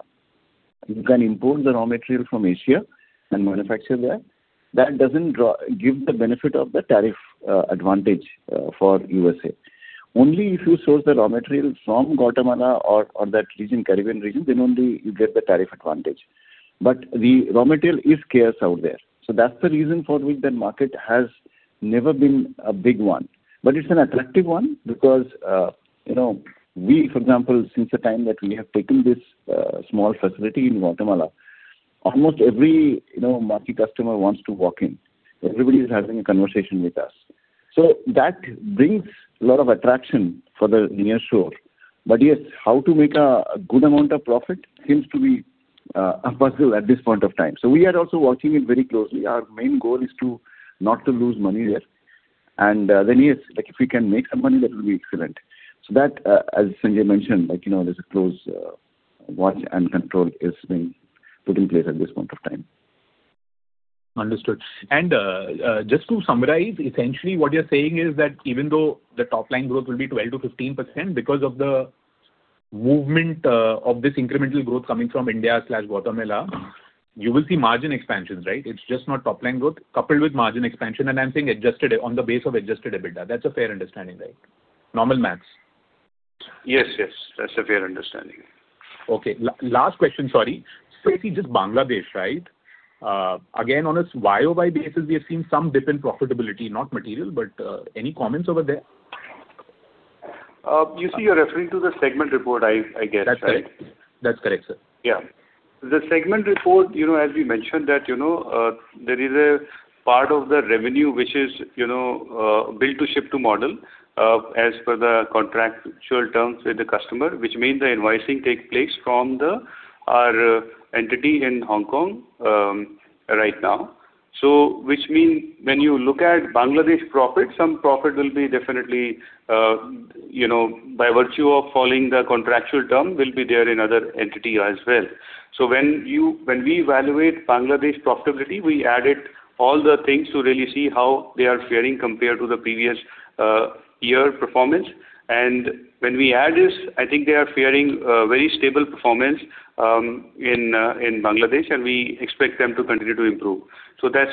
C: You can import the raw material from Asia and manufacture there. That doesn't give the benefit of the tariff advantage for the USA. Only if you source the raw material from Guatemala or that region, Caribbean region, then only you get the tariff advantage. But the raw material is scarce out there. So that's the reason for which the market has never been a big one. But it's an attractive one because we, for example, since the time that we have taken this small facility in Guatemala, almost every market customer wants to walk in. Everybody is having a conversation with us. So that brings a lot of attraction for the nearshore. But yes, how to make a good amount of profit seems to be a puzzle at this point of time. So we are also watching it very closely. Our main goal is not to lose money there. And then yes, if we can make some money, that will be excellent. So that, as Sanjay mentioned, there's a close watch and control that is being put in place at this point of time.
H: Understood. And just to summarize, essentially, what you're saying is that even though the top line growth will be 12%-15% because of the movement of this incremental growth coming from India/Guatemala, you will see margin expansions, right? It's just not top line growth coupled with margin expansion. And I'm saying adjusted on the base of adjusted EBITDA. That's a fair understanding, right? Normal max.
D: Yes. Yes. That's a fair understanding.
H: Okay. Last question. Sorry. So let's see, just Bangladesh, right? Again, on a YoY basis, we have seen some dip in profitability, not material, but any comments over there?
D: You see, you're referring to the segment report, I guess, right?
H: That's correct. That's correct, sir.
D: Yeah. The segment report, as we mentioned, that there is a part of the revenue which is bill-to-ship-to model as per the contractual terms with the customer, which means the invoicing takes place from our entity in Hong Kong right now. So which means when you look at Bangladesh profit, some profit will be definitely by virtue of following the contractual term will be there in other entity as well. So when we evaluate Bangladesh profitability, we added all the things to really see how they are faring compared to the previous year performance. And when we add this, I think they are faring very stable performance in Bangladesh, and we expect them to continue to improve. So that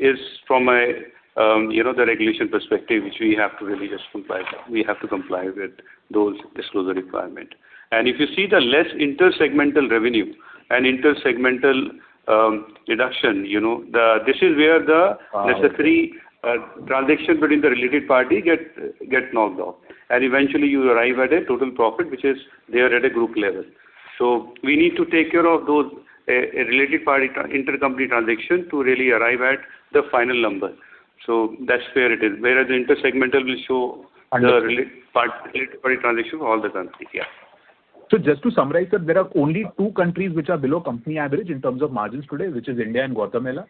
D: is from the regulation perspective, which we have to really just comply with. We have to comply with those disclosure requirements. If you see the less intersegmental revenue and intersegmental reduction, this is where the necessary transaction between the related parties get knocked off. Eventually, you arrive at a total profit, which is they are at a group level. We need to take care of those related party intercompany transactions to really arrive at the final number. That's where it is, whereas the intersegmental will show the related party transactions for all the countries. Yeah.
H: Just to summarize, sir, there are only two countries which are below company average in terms of margins today, which is India and Guatemala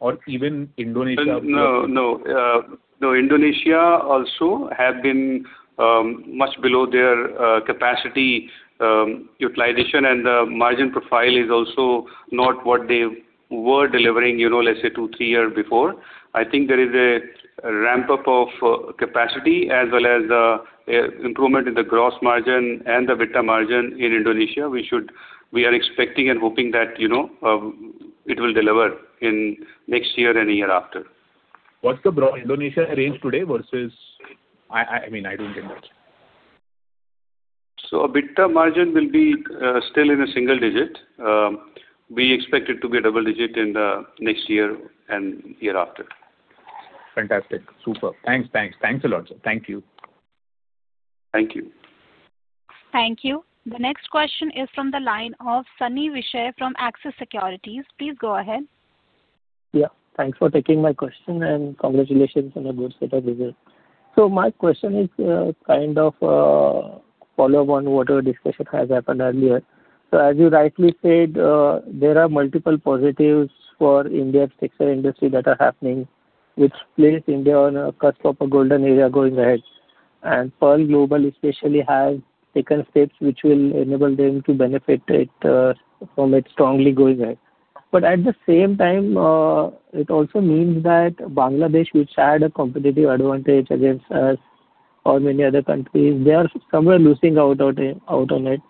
H: or even Indonesia?
D: No. No. No. Indonesia also has been much below their capacity utilization, and the margin profile is also not what they were delivering, let's say, 2-3 years before. I think there is a ramp-up of capacity as well as improvement in the gross margin and the EBITDA margin in Indonesia, which we are expecting and hoping that it will deliver in next year and the year after.
H: What's the Indonesia arrangement today versus? I mean, I don't get that.
D: A EBITDA margin will be still in a single digit. We expect it to be a double digit in the next year and year after.
H: Fantastic. Super. Thanks. Thanks. Thanks a lot, sir. Thank you.
D: Thank you.
B: Thank you. The next question is from the line of Sani Vishe from Axis Securities. Please go ahead.
I: Yeah. Thanks for taking my question, and congratulations on a good set of results. So my question is kind of a follow-up on what a discussion has happened earlier. So as you rightly said, there are multiple positives for India's textile industry that are happening, which places India on a cusp of a golden era going ahead. And Pearl Global especially has taken steps which will enable them to benefit from it strongly going ahead. But at the same time, it also means that Bangladesh, which had a competitive advantage against us or many other countries, they are somewhere losing out on it.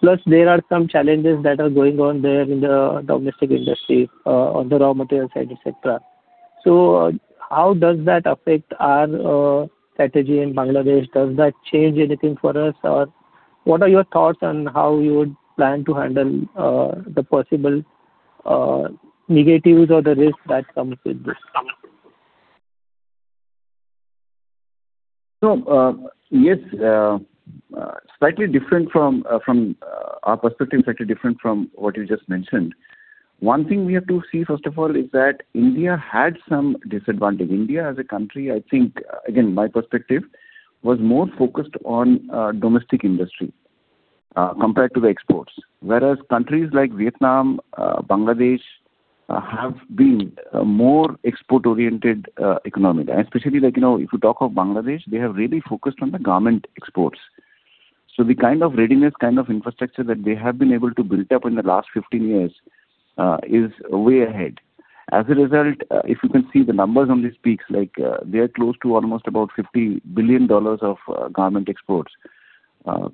I: Plus, there are some challenges that are going on there in the domestic industry on the raw materials side, etc. So how does that affect our strategy in Bangladesh? Does that change anything for us? Or what are your thoughts on how you would plan to handle the possible negatives or the risks that come with this?
C: So yes, slightly different from our perspective, slightly different from what you just mentioned. One thing we have to see, first of all, is that India had some disadvantage. India as a country, I think, again, my perspective, was more focused on domestic industry compared to the exports, whereas countries like Vietnam, Bangladesh have been a more export-oriented economy. And especially if you talk of Bangladesh, they have really focused on the garment exports. So the kind of readiness, kind of infrastructure that they have been able to build up in the last 15 years is way ahead. As a result, if you can see the numbers on these peaks, they are close to almost about $50 billion of garment exports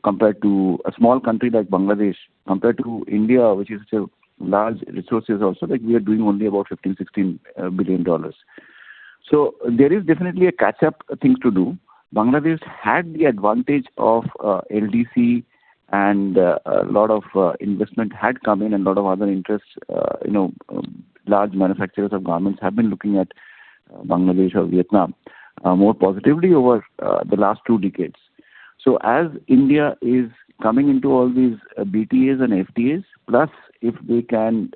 C: compared to a small country like Bangladesh. Compared to India, which is such a large resource also, we are doing only about $15 billion-$16 billion. So there is definitely a catch-up thing to do. Bangladesh had the advantage of LDC, and a lot of investment had come in, and a lot of other interests, large manufacturers of garments have been looking at Bangladesh or Vietnam more positively over the last two decades. So as India is coming into all these BTAs and FTAs, plus if we can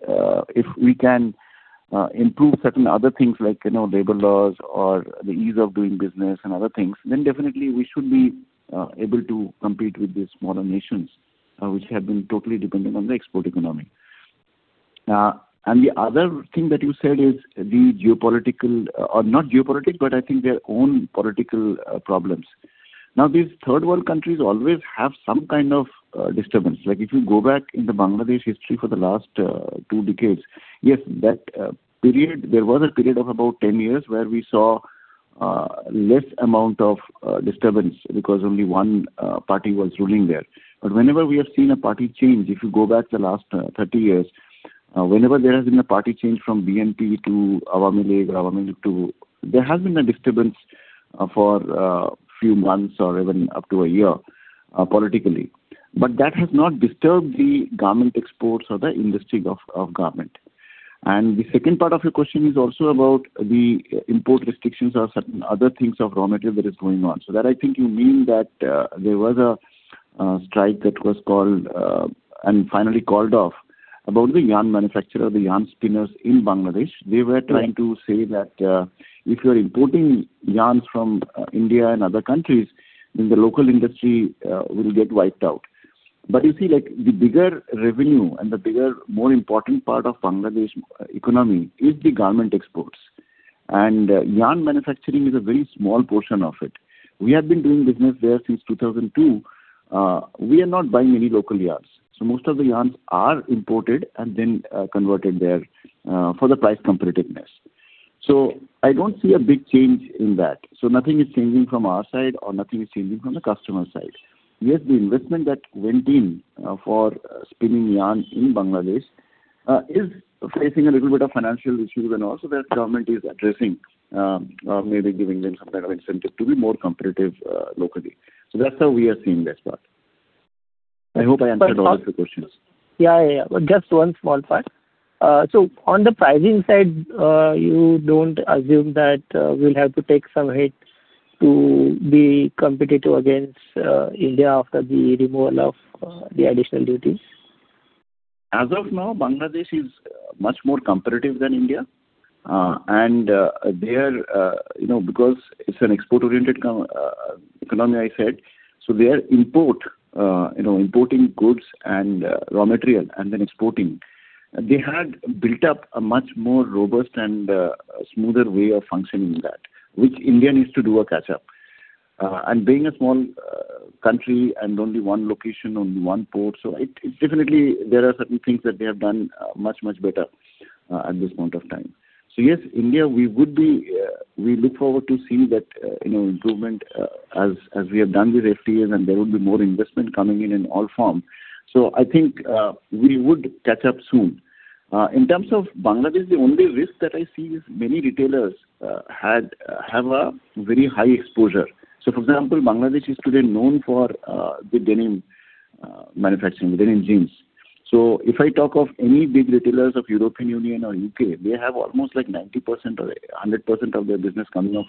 C: improve certain other things like labor laws or the ease of doing business and other things, then definitely, we should be able to compete with these smaller nations, which have been totally dependent on the export economy. And the other thing that you said is the geopolitical or not geopolitical, but I think their own political problems. Now, these third-world countries always have some kind of disturbance. If you go back in the Bangladesh history for the last two decades, yes, there was a period of about 10 years where we saw a less amount of disturbance because only one party was ruling there. But whenever we have seen a party change, if you go back the last 30 years, whenever there has been a party change from BNP to Awami League or Awami League to there has been a disturbance for a few months or even up to a year politically. But that has not disturbed the garment exports or the industry of garment. And the second part of your question is also about the import restrictions or certain other things of raw material that are going on. So I think you mean that there was a strike that was called and finally called off about the yarn manufacturer, the yarn spinners in Bangladesh. They were trying to say that if you're importing yarns from India and other countries, then the local industry will get wiped out. But you see, the bigger revenue and the bigger, more important part of Bangladesh economy is the garment exports. And yarn manufacturing is a very small portion of it. We have been doing business there since 2002. We are not buying any local yarns. So most of the yarns are imported and then converted there for the price competitiveness. So I don't see a big change in that. So nothing is changing from our side, or nothing is changing from the customer side. Yes, the investment that went in for spinning yarn in Bangladesh is facing a little bit of financial issues when also their government is addressing, maybe giving them some kind of incentive to be more competitive locally. So that's how we are seeing this part. I hope I answered all of your questions.
I: Yeah. Yeah. Yeah. Just one small fact. So on the pricing side, you don't assume that we'll have to take some hit to be competitive against India after the removal of the additional duties?
C: As of now, Bangladesh is much more competitive than India. Because it's an export-oriented economy, I said, so they are importing goods and raw material and then exporting. They had built up a much more robust and smoother way of functioning that, which India needs to do a catch-up. Being a small country and only one location, only one port, so definitely, there are certain things that they have done much, much better at this point of time. Yes, India, we look forward to seeing that improvement as we have done with FTAs, and there will be more investment coming in in all forms. I think we would catch up soon. In terms of Bangladesh, the only risk that I see is many retailers have a very high exposure. For example, Bangladesh is today known for the denim manufacturing, the denim jeans. So if I talk of any big retailers of the European Union or U.K., they have almost like 90% or 100% of their business coming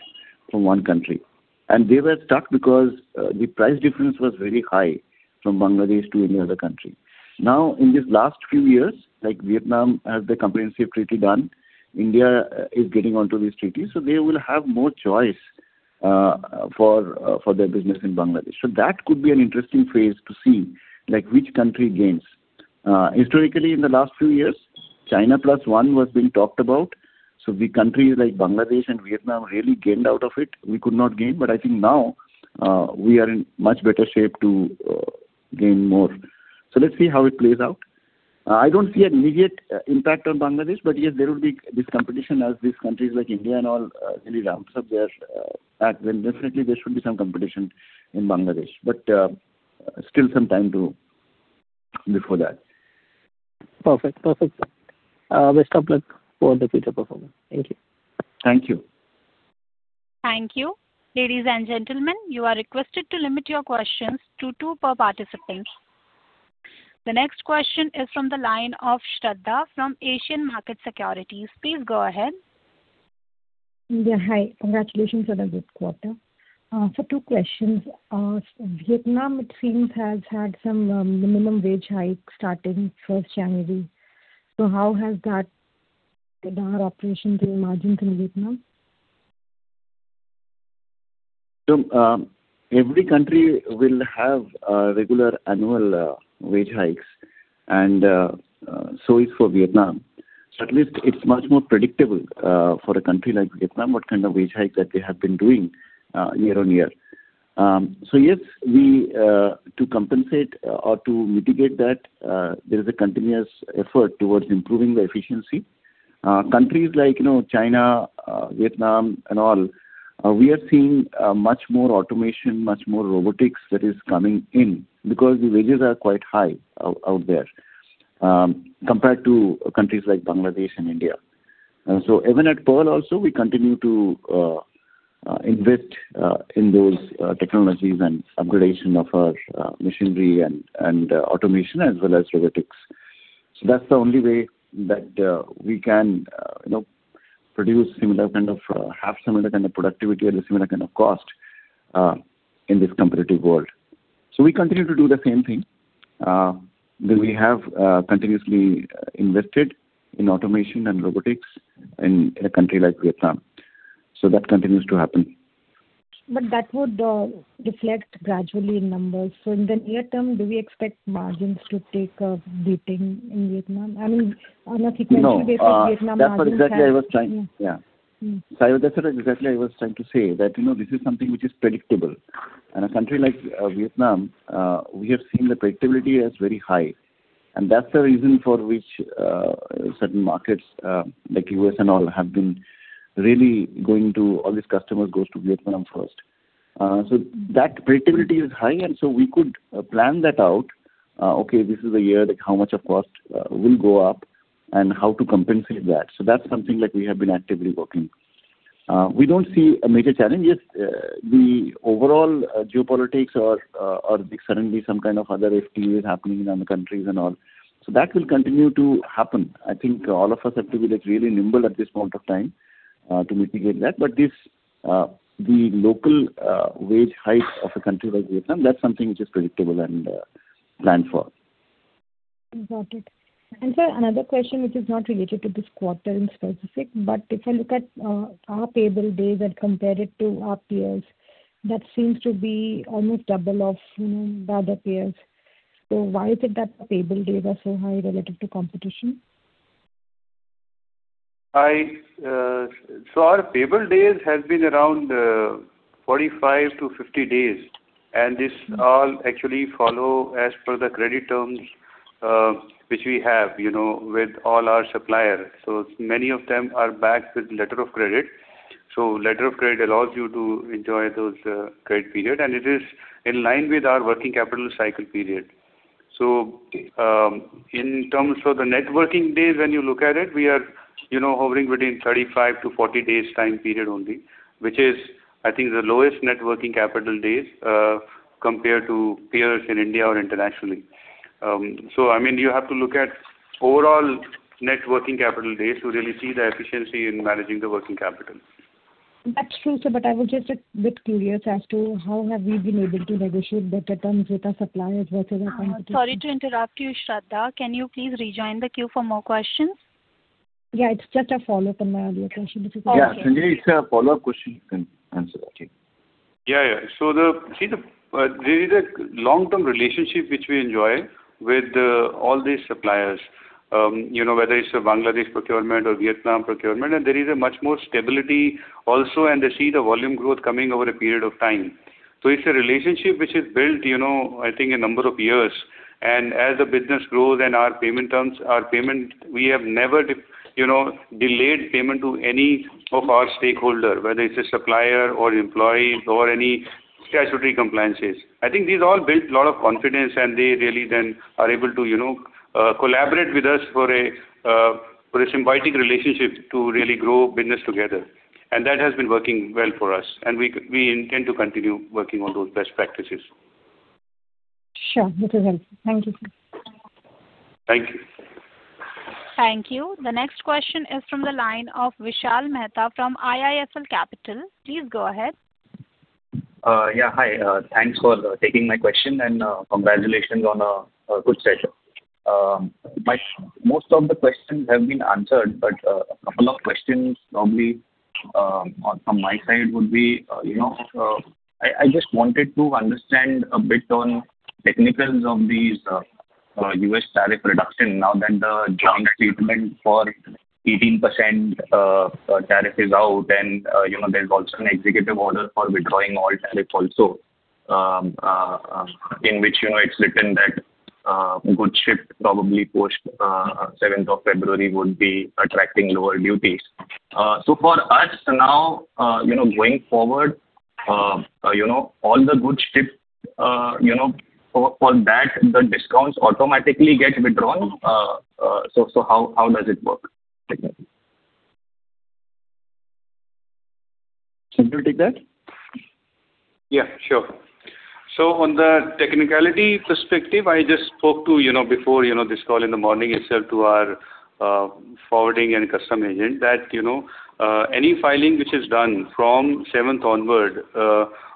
C: from one country. And they were stuck because the price difference was very high from Bangladesh to any other country. Now, in these last few years, Vietnam has the comprehensive treaty done. India is getting onto these treaties. So they will have more choice for their business in Bangladesh. So that could be an interesting phase to see which country gains. Historically, in the last few years, China Plus One was being talked about. So the countries like Bangladesh and Vietnam really gained out of it. We could not gain. But I think now, we are in much better shape to gain more. So let's see how it plays out. I don't see an immediate impact on Bangladesh. But yes, there will be this competition as these countries like India and all really ramp up their act. Then definitely, there should be some competition in Bangladesh. But still some time before that.
I: Perfect. Perfect, sir. Best of luck for the future performance. Thank you.
C: Thank you.
A: Thank you. Ladies and gentlemen, you are requested to limit your questions to two per participant. The next question is from the line of Shraddha from Asian Market Securities. Please go ahead.
J: Yeah. Hi. Congratulations on a good quarter. So two questions. Vietnam, it seems, has had some minimum wage hike starting 1st January. So how has that impacted our operations and margins in Vietnam?
C: So every country will have regular annual wage hikes. And so is for Vietnam. So at least, it's much more predictable for a country like Vietnam what kind of wage hike that they have been doing year-on-year. So yes, to compensate or to mitigate that, there is a continuous effort towards improving the efficiency. Countries like China, Vietnam, and all, we are seeing much more automation, much more robotics that is coming in because the wages are quite high out there compared to countries like Bangladesh and India. So even at Pearl also, we continue to invest in those technologies and upgradation of our machinery and automation as well as robotics. So that's the only way that we can produce similar kind of have similar kind of productivity at a similar kind of cost in this competitive world. So we continue to do the same thing. We have continuously invested in automation and robotics in a country like Vietnam. So that continues to happen.
J: That would reflect gradually in numbers. In the near term, do we expect margins to take a beating in Vietnam? I mean, on a sequential basis, Vietnam margins.
C: Yeah. That's what exactly I was trying to say, that this is something which is predictable. A country like Vietnam, we have seen the predictability as very high. That's the reason for which certain markets like the U.S. and all have been really going to all these customers goes to Vietnam first. So that predictability is high. And so we could plan that out, "Okay, this is the year. How much of cost will go up? And how to compensate that?" So that's something we have been actively working. We don't see a major challenge. Yes, the overall geopolitics or suddenly some kind of other FTA is happening in other countries and all. So that will continue to happen. I think all of us have to be really nimble at this point of time to mitigate that. But the local wage hike of a country like Vietnam, that's something which is predictable and planned for.
J: Got it. And sir, another question which is not related to this quarter in specific. But if I look at our payable days and compare it to our peers, that seems to be almost double of the other peers. So why is it that the payable days are so high relative to competition?
D: Our payable days have been around 45-50 days. This all actually follows as per the credit terms which we have with all our suppliers. Many of them are backed with letter of credit. Letter of credit allows you to enjoy those credit period. It is in line with our working capital cycle period. In terms of the net working days, when you look at it, we are hovering within 35-40 days' time period only, which is, I think, the lowest net working capital days compared to peers in India or internationally. I mean, you have to look at overall net working capital days to really see the efficiency in managing the working capital.
J: That's true, sir. But I was just a bit curious as to how have we been able to negotiate better terms with our suppliers versus our competitors?
A: Sorry to interrupt you, Shraddha. Can you please rejoin the queue for more questions?
J: Yeah. It's just a follow-up on my earlier question. This is Sanjay.
C: Yeah. Sanjay, it's a follow-up question. You can answer that.
D: Yeah. Yeah. Yeah. So see, there is a long-term relationship which we enjoy with all these suppliers, whether it's Bangladesh procurement or Vietnam procurement. And there is a much more stability also. And they see the volume growth coming over a period of time. So it's a relationship which is built, I think, a number of years. And as the business grows and our payment terms are payment, we have never delayed payment to any of our stakeholders, whether it's a supplier or employees or any statutory compliances. I think these all built a lot of confidence. And they really then are able to collaborate with us for a symbiotic relationship to really grow business together. And that has been working well for us. And we intend to continue working on those best practices.
J: Sure. That is helpful. Thank you, sir.
D: Thank you.
A: Thank you. The next question is from the line of Vishal Mehta from IIFL Capital. Please go ahead.
K: Yeah. Hi. Thanks for taking my question. And congratulations on a good session. Most of the questions have been answered. But a couple of questions probably from my side would be I just wanted to understand a bit on technicalities of these U.S. tariff reduction now that the joint statement for 18% tariff is out. And there's also an executive order for withdrawing all tariffs also in which it's written that goods shipped probably post-7th of February would be attracting lower duties. So for us now, going forward, all the goods shipped after that, the duties automatically get withdrawn. So how does it work technically?
C: Can you take that?
D: Yeah. Sure. So on the technicality perspective, I just spoke to before this call in the morning itself to our forwarding and customs agent that any filing which is done from 7th onward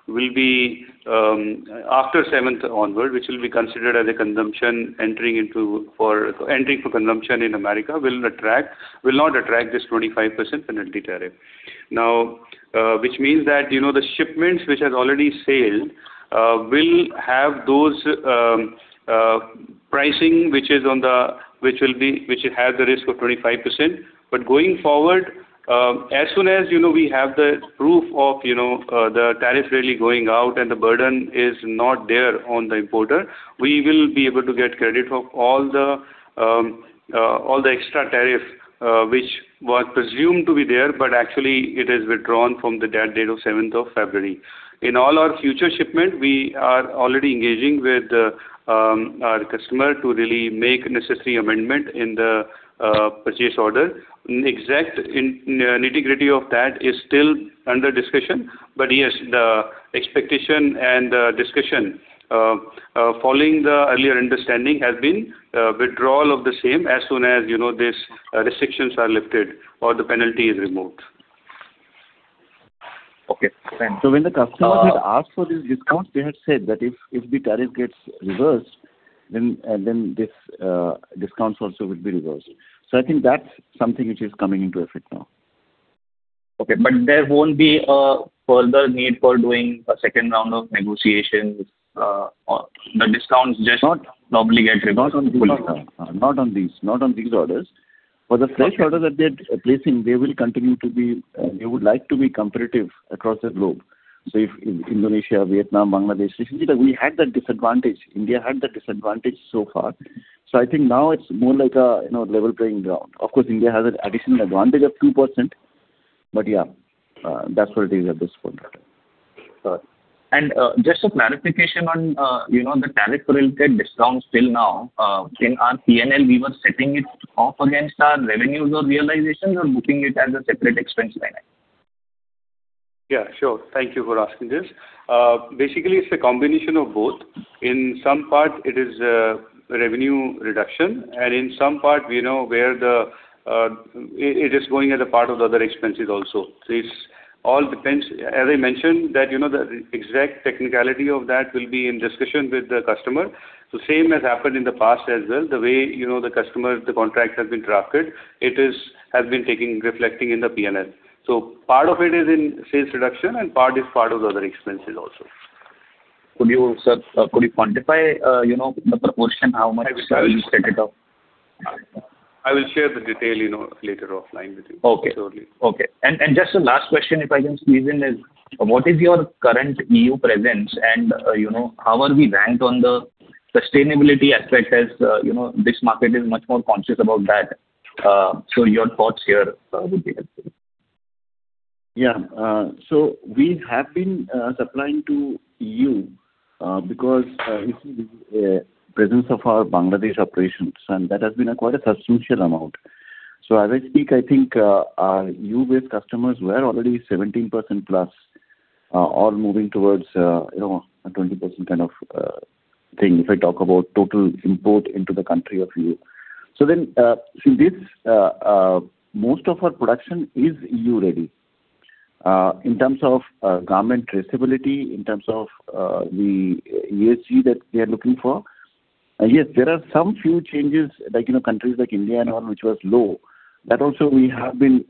D: will be after 7th onward, which will be considered as a consumption entering into for entry for consumption in America will not attract this 25% penalty tariff. Now, which means that the shipments which have already sailed will have those pricing which is on the which will be which have the risk of 25%. But going forward, as soon as we have the proof of the tariff really going out and the burden is not there on the importer, we will be able to get credit for all the extra tariff which was presumed to be there. But actually, it is withdrawn from the dead date of 7th of February. In all our future shipment, we are already engaging with our customer to really make necessary amendment in the purchase order. Exact nitty-gritty of that is still under discussion. But yes, the expectation and the discussion following the earlier understanding has been withdrawal of the same as soon as these restrictions are lifted or the penalty is removed. Okay. Thanks. So when the customers had asked for these discounts, they had said that if the tariff gets reversed, then these discounts also would be reversed. So I think that's something which is coming into effect now.
K: Okay. But there won't be a further need for doing a second round of negotiations. The discounts just normally get removed.
C: Not on these. Not on these orders. For the fresh orders that they're placing, they will continue to be they would like to be competitive across the globe. So if Indonesia, Vietnam, Bangladesh, we had that disadvantage. India had that disadvantage so far. So I think now it's more like a level playing ground. Of course, India has an additional advantage of 2%. But yeah, that's what it is at this point of time.
K: Got it. Just a clarification on the tariff-related discounts till now, in our P&L, we were setting it off against our revenues or realizations or booking it as a separate expense line item?
D: Yeah. Sure. Thank you for asking this. Basically, it's a combination of both. In some part, it is revenue reduction. And in some part, we know where it is going as a part of the other expenses also. So it all depends, as I mentioned, that the exact technicality of that will be in discussion with the customer. So same as happened in the past as well, the way the customer, the contract has been drafted, it has been reflecting in the P&L. So part of it is in sales reduction. And part is part of the other expenses also.
K: Could you quantify the proportion, how much you set it up?
D: I will share the detail later offline with you. Surely.
K: Okay. Okay. And just a last question, if I can squeeze in, is what is your current EU presence? And how are we ranked on the sustainability aspect as this market is much more conscious about that? So your thoughts here would be helpful.
C: Yeah. So we have been supplying to EU because this is the presence of our Bangladesh operations. And that has been quite a substantial amount. So as I speak, I think our EU-based customers, we are already 17%+, all moving towards a 20% kind of thing if I talk about total import into the country of EU. So then see, most of our production is EU-ready in terms of garment traceability, in terms of the ESG that they are looking for. Yes, there are some few changes like countries like India and all which was low. But also, we have been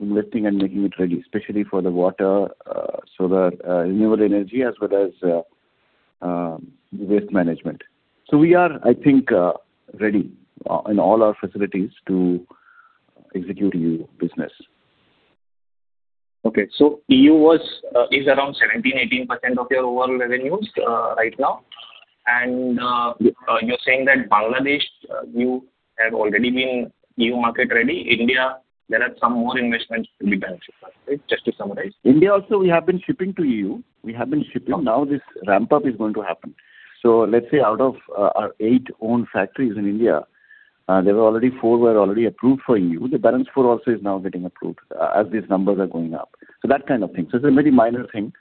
C: investing and making it ready, especially for the water, solar, renewable energy, as well as waste management. So we are, I think, ready in all our facilities to execute EU business.
K: Okay. So EU is around 17%-18% of your overall revenues right now. And you're saying that Bangladesh, you have already been EU market-ready. India, there are some more investments to be beneficial from, right? Just to summarize.
C: India also, we have been shipping to E.U. We have been shipping. Now, this ramp-up is going to happen. So let's say out of our eight own factories in India, there were already four already approved for E.U. The balance four also is now getting approved as these numbers are going up. So that kind of thing. So it's a very minor thing.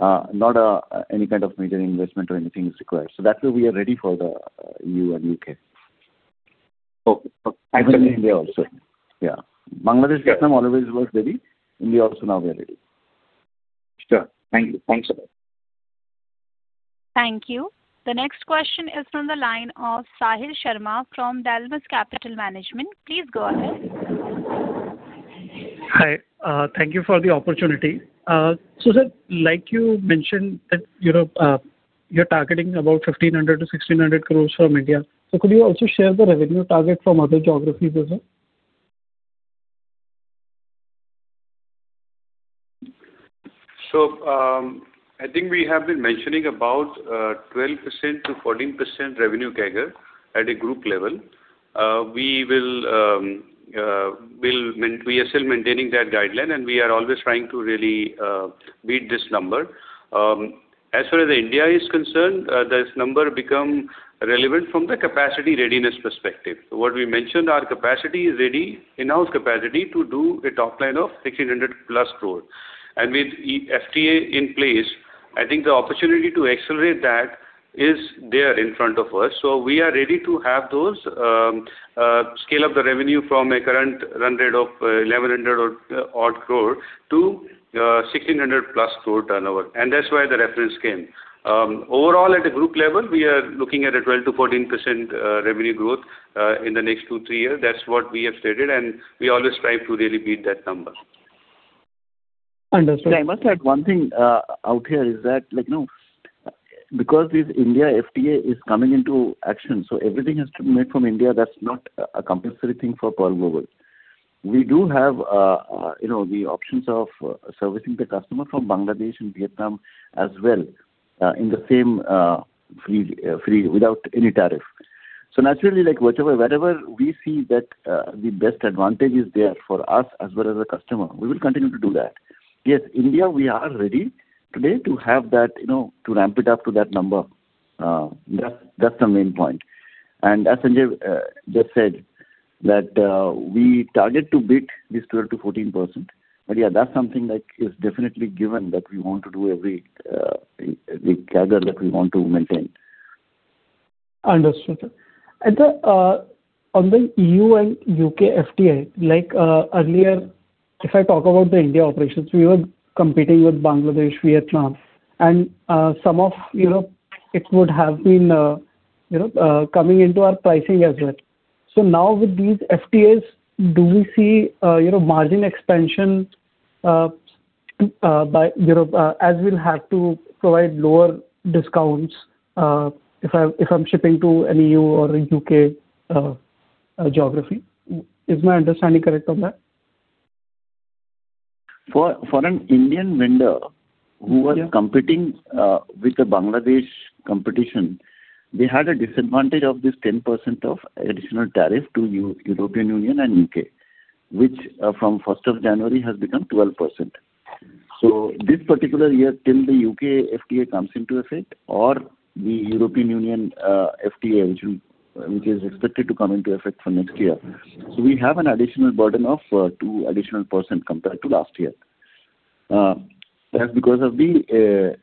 C: Not any kind of major investment or anything is required. So that way, we are ready for the E.U. and U.K.
K: Okay. Thank you.
C: Even India also. Yeah. Bangladesh, Vietnam always was ready. India also, now we are ready.
K: Sure. Thank you. Thanks, sir.
A: Thank you. The next question is from the line of Sahil Sharma from Dalmus Capital Management. Please go ahead.
L: Hi. Thank you for the opportunity. So sir, like you mentioned that you're targeting about 1,500 crores-1,600 crores from India. So could you also share the revenue target from other geographies as well?
D: So I think we have been mentioning about 12%-14% revenue CAGR at a group level. We are still maintaining that guideline. And we are always trying to really beat this number. As far as India is concerned, this number becomes relevant from the capacity readiness perspective. So what we mentioned, our capacity is ready, in-house capacity, to do a top line of 1,600+ crore. And with FTA in place, I think the opportunity to accelerate that is there in front of us. So we are ready to have those scale up the revenue from a current run rate of 1,100-odd crore to 1,600+ crore turnover. And that's why the reference came. Overall, at a group level, we are looking at a 12%-14% revenue growth in the next 2-3 years. That's what we have stated. And we always strive to really beat that number.
L: Understood.
C: I must add one thing out here is that because this India FTA is coming into action, so everything has to be made from India. That's not a compulsory thing for Pearl Global. We do have the options of servicing the customer from Bangladesh and Vietnam as well in the same free without any tariff. So naturally, wherever we see that the best advantage is there for us as well as the customer, we will continue to do that. Yes, India, we are ready today to have that to ramp it up to that number. That's the main point. And as Sanjay just said, that we target to beat this 12%-14%. But yeah, that's something that is definitely given that we want to do every CAGR that we want to maintain.
L: Understood, sir. On the EU and U.K. FTA, like earlier, if I talk about the India operations, we were competing with Bangladesh, Vietnam. Some of it would have been coming into our pricing as well. Now, with these FTAs, do we see margin expansion as we'll have to provide lower discounts if I'm shipping to an EU or U.K. geography? Is my understanding correct on that?
C: For an Indian vendor who was competing with the Bangladesh competition, they had a disadvantage of this 10% additional tariff to European Union and U.K., which from 1st of January has become 12%. This particular year, till the U.K. FTA comes into effect or the European Union FTA, which is expected to come into effect for next year. We have an additional burden of 2% additional compared to last year. That's because of the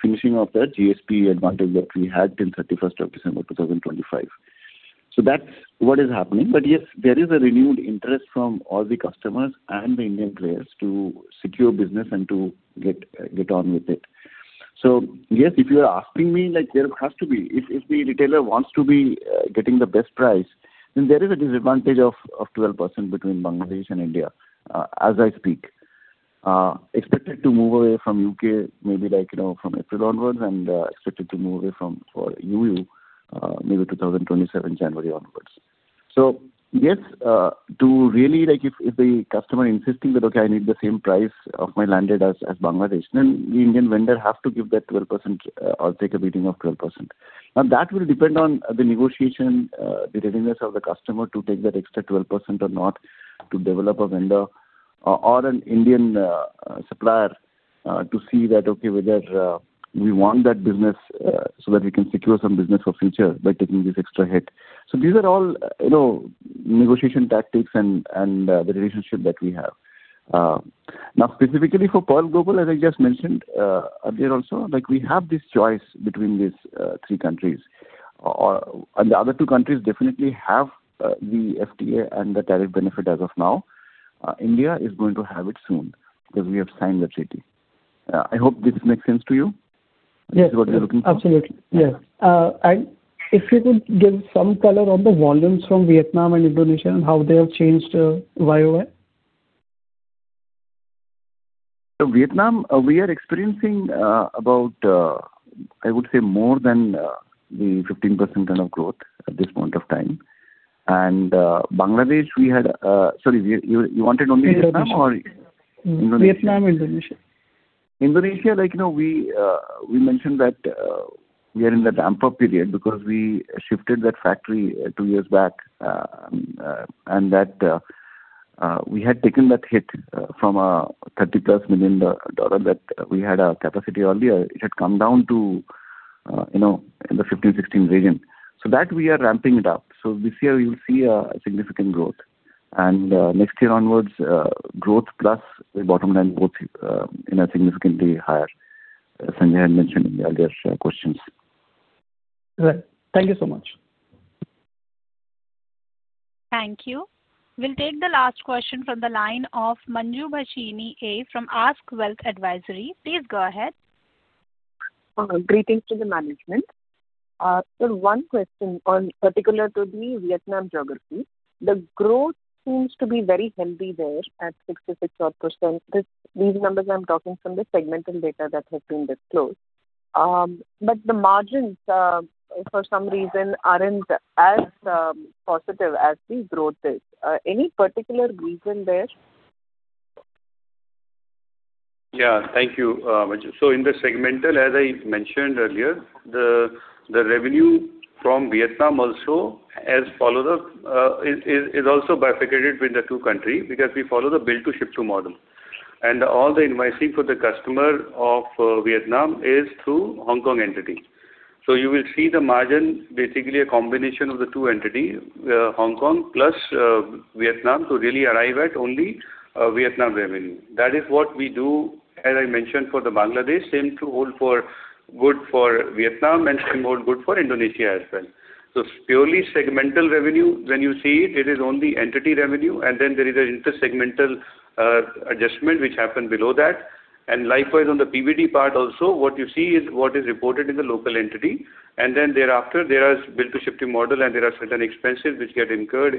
C: finishing of the GSP advantage that we had till 31st of December 2025. That's what is happening. But yes, there is a renewed interest from all the customers and the Indian players to secure business and to get on with it. So yes, if you are asking me, there has to be if the retailer wants to be getting the best price, then there is a disadvantage of 12% between Bangladesh and India as I speak, expected to move away from U.K. maybe from April onwards and expected to move away from for EU maybe 2027 January onwards. So yes, to really if the customer is insisting that, "Okay, I need the same price of my landed as Bangladesh," then the Indian vendor has to give that 12% or take a beating of 12%. Now, that will depend on the negotiation, the readiness of the customer to take that extra 12% or not to develop a vendor or an Indian supplier to see that, "Okay, whether we want that business so that we can secure some business for future by taking this extra hit." So these are all negotiation tactics and the relationship that we have. Now, specifically for Pearl Global, as I just mentioned earlier also, we have this choice between these three countries. And the other two countries definitely have the FTA and the tariff benefit as of now. India is going to have it soon because we have signed that treaty. I hope this makes sense to you. Yes. Absolutely.
D: Is this what you're looking for?
L: Yes. And if you could give some color on the volumes from Vietnam and Indonesia and how they have changed YoY.
C: So Vietnam, we are experiencing about, I would say, more than 15% kind of growth at this point of time. And Bangladesh, we had sorry, you wanted only Vietnam or Indonesia?
L: Vietnam, Indonesia.
C: Indonesia, we mentioned that we are in the ramp-up period because we shifted that factory two years back. We had taken that hit from a $30+ million-dollar capacity that we had earlier. It had come down to the $15 million-$16 million region. That, we are ramping it up. This year, we will see a significant growth. Next year onwards, growth plus the bottom line growth is significantly higher, as Sanjay had mentioned in the earlier questions.
L: All right. Thank you so much.
A: Thank you. We'll take the last question from the line of Manjubhashini from ASK Wealth Advisory. Please go ahead.
M: Greetings to the management. Sir, one question particular to the Vietnam geography. The growth seems to be very healthy there at 66-odd percent. These numbers I'm talking from the segmental data that has been disclosed. But the margins, for some reason, aren't as positive as the growth is. Any particular reason there?
D: Yeah. Thank you, Manju. So in the segmental, as I mentioned earlier, the revenue from Vietnam also as follows is also bifurcated between the two countries because we follow the bill-to-ship-to model. And all the invoicing for the customer of Vietnam is through Hong Kong entity. So you will see the margin, basically, a combination of the two entities, Hong Kong plus Vietnam, to really arrive at only Vietnam revenue. That is what we do, as I mentioned, for the Bangladesh, same hold good for Vietnam and same hold good for Indonesia as well. So purely segmental revenue, when you see it, it is only entity revenue. And then there is an intersegmental adjustment which happened below that. And likewise, on the PBT part also, what you see is what is reported in the local entity. And then thereafter, there is bill-to-ship-to model. There are certain expenses which get incurred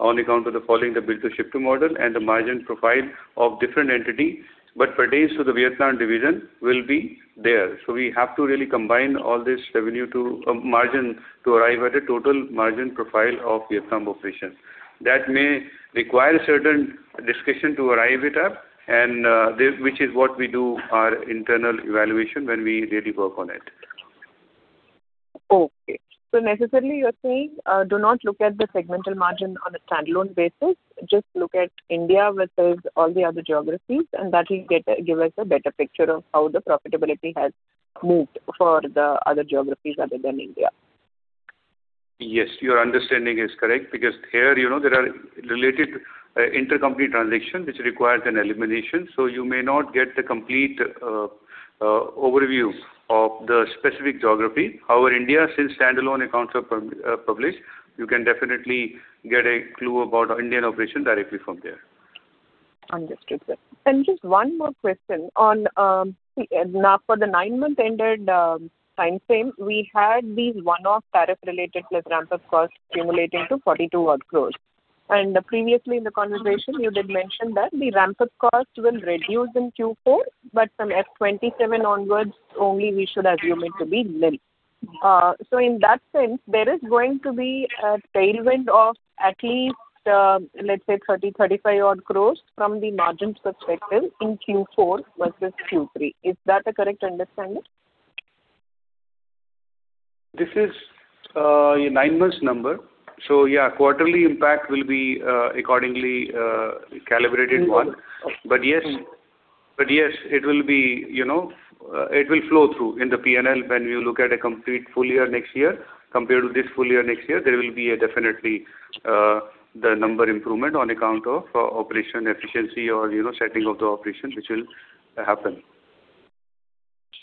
D: on account of the following: the bill-to-ship-to model and the margin profile of different entity. But per se, so the Vietnam division will be there. So we have to really combine all this revenue to margin to arrive at a total margin profile of Vietnam operation. That may require a certain discussion to arrive at it, which is what we do, our internal evaluation when we really work on it.
M: Okay. So necessarily, you're saying do not look at the segmental margin on a standalone basis. Just look at India versus all the other geographies. And that will give us a better picture of how the profitability has moved for the other geographies other than India.
D: Yes, your understanding is correct. Because here, there are related intercompany transactions which require their elimination. So you may not get the complete overview of the specific geography. However, India, since standalone accounts are published, you can definitely get a clue about Indian operation directly from there.
M: Understood, sir. Just one more question. Now, for the nine-month-ended timeframe, we had these one-off tariff-related plus ramp-up costs accumulating to 42-odd crores. Previously, in the conversation, you did mention that the ramp-up costs will reduce in Q4. From FY 2027 onwards, only we should assume it to be little. In that sense, there is going to be a tailwind of at least, let's say, 30-35-odd crores from the margin perspective in Q4 versus Q3. Is that a correct understanding?
D: This is your 9-month number. So yeah, quarterly impact will be accordingly calibrated one. But yes, but yes, it will be it will flow through in the P&L when you look at a complete full year next year compared to this full year next year. There will be definitely the number improvement on account of operation efficiency or setting of the operation which will happen.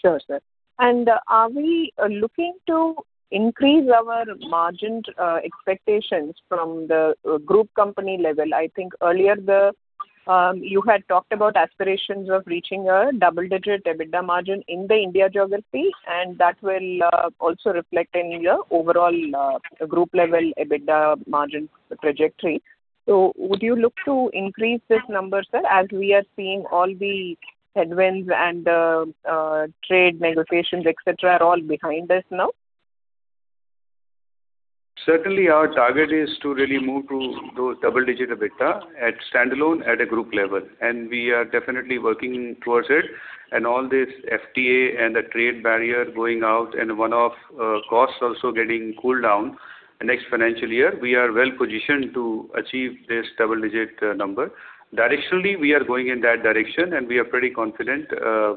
M: Sure, sir. And are we looking to increase our margin expectations from the group company level? I think earlier, you had talked about aspirations of reaching a double-digit EBITDA margin in the India geography. And that will also reflect in your overall group-level EBITDA margin trajectory. So would you look to increase this number, sir, as we are seeing all the headwinds and trade negotiations, etc., are all behind us now?
D: Certainly, our target is to really move to those double-digit EBITDA at standalone at a group level. We are definitely working towards it. All this FTA and the trade barrier going out and one-off costs also getting cooled down next financial year, we are well positioned to achieve this double-digit number. Directionally, we are going in that direction. We are pretty confident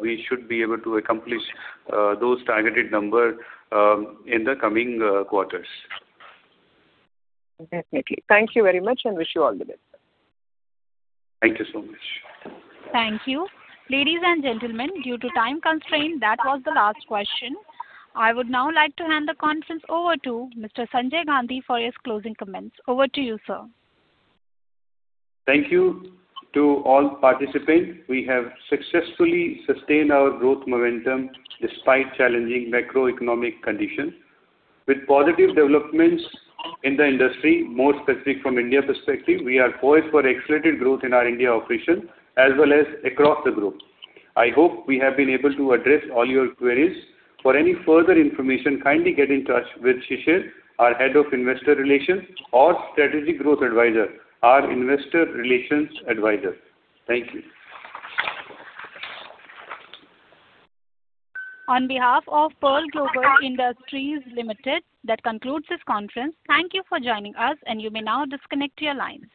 D: we should be able to accomplish those targeted numbers in the coming quarters.
M: Definitely. Thank you very much. Wish you all the best, sir.
D: Thank you so much.
A: Thank you. Ladies and gentlemen, due to time constraint, that was the last question. I would now like to hand the conference over to Mr. Sanjay Gandhi for his closing comments. Over to you, sir.
D: Thank you to all participants. We have successfully sustained our growth momentum despite challenging macroeconomic conditions. With positive developments in the industry, more specific from India perspective, we are poised for accelerated growth in our India operation as well as across the group. I hope we have been able to address all your queries. For any further information, kindly get in touch with Shishir, our head of investor relations, or Strategic Growth Advisors, our investor relations advisor. Thank you.
A: On behalf of Pearl Global Industries Limited, that concludes this conference. Thank you for joining us. You may now disconnect your lines.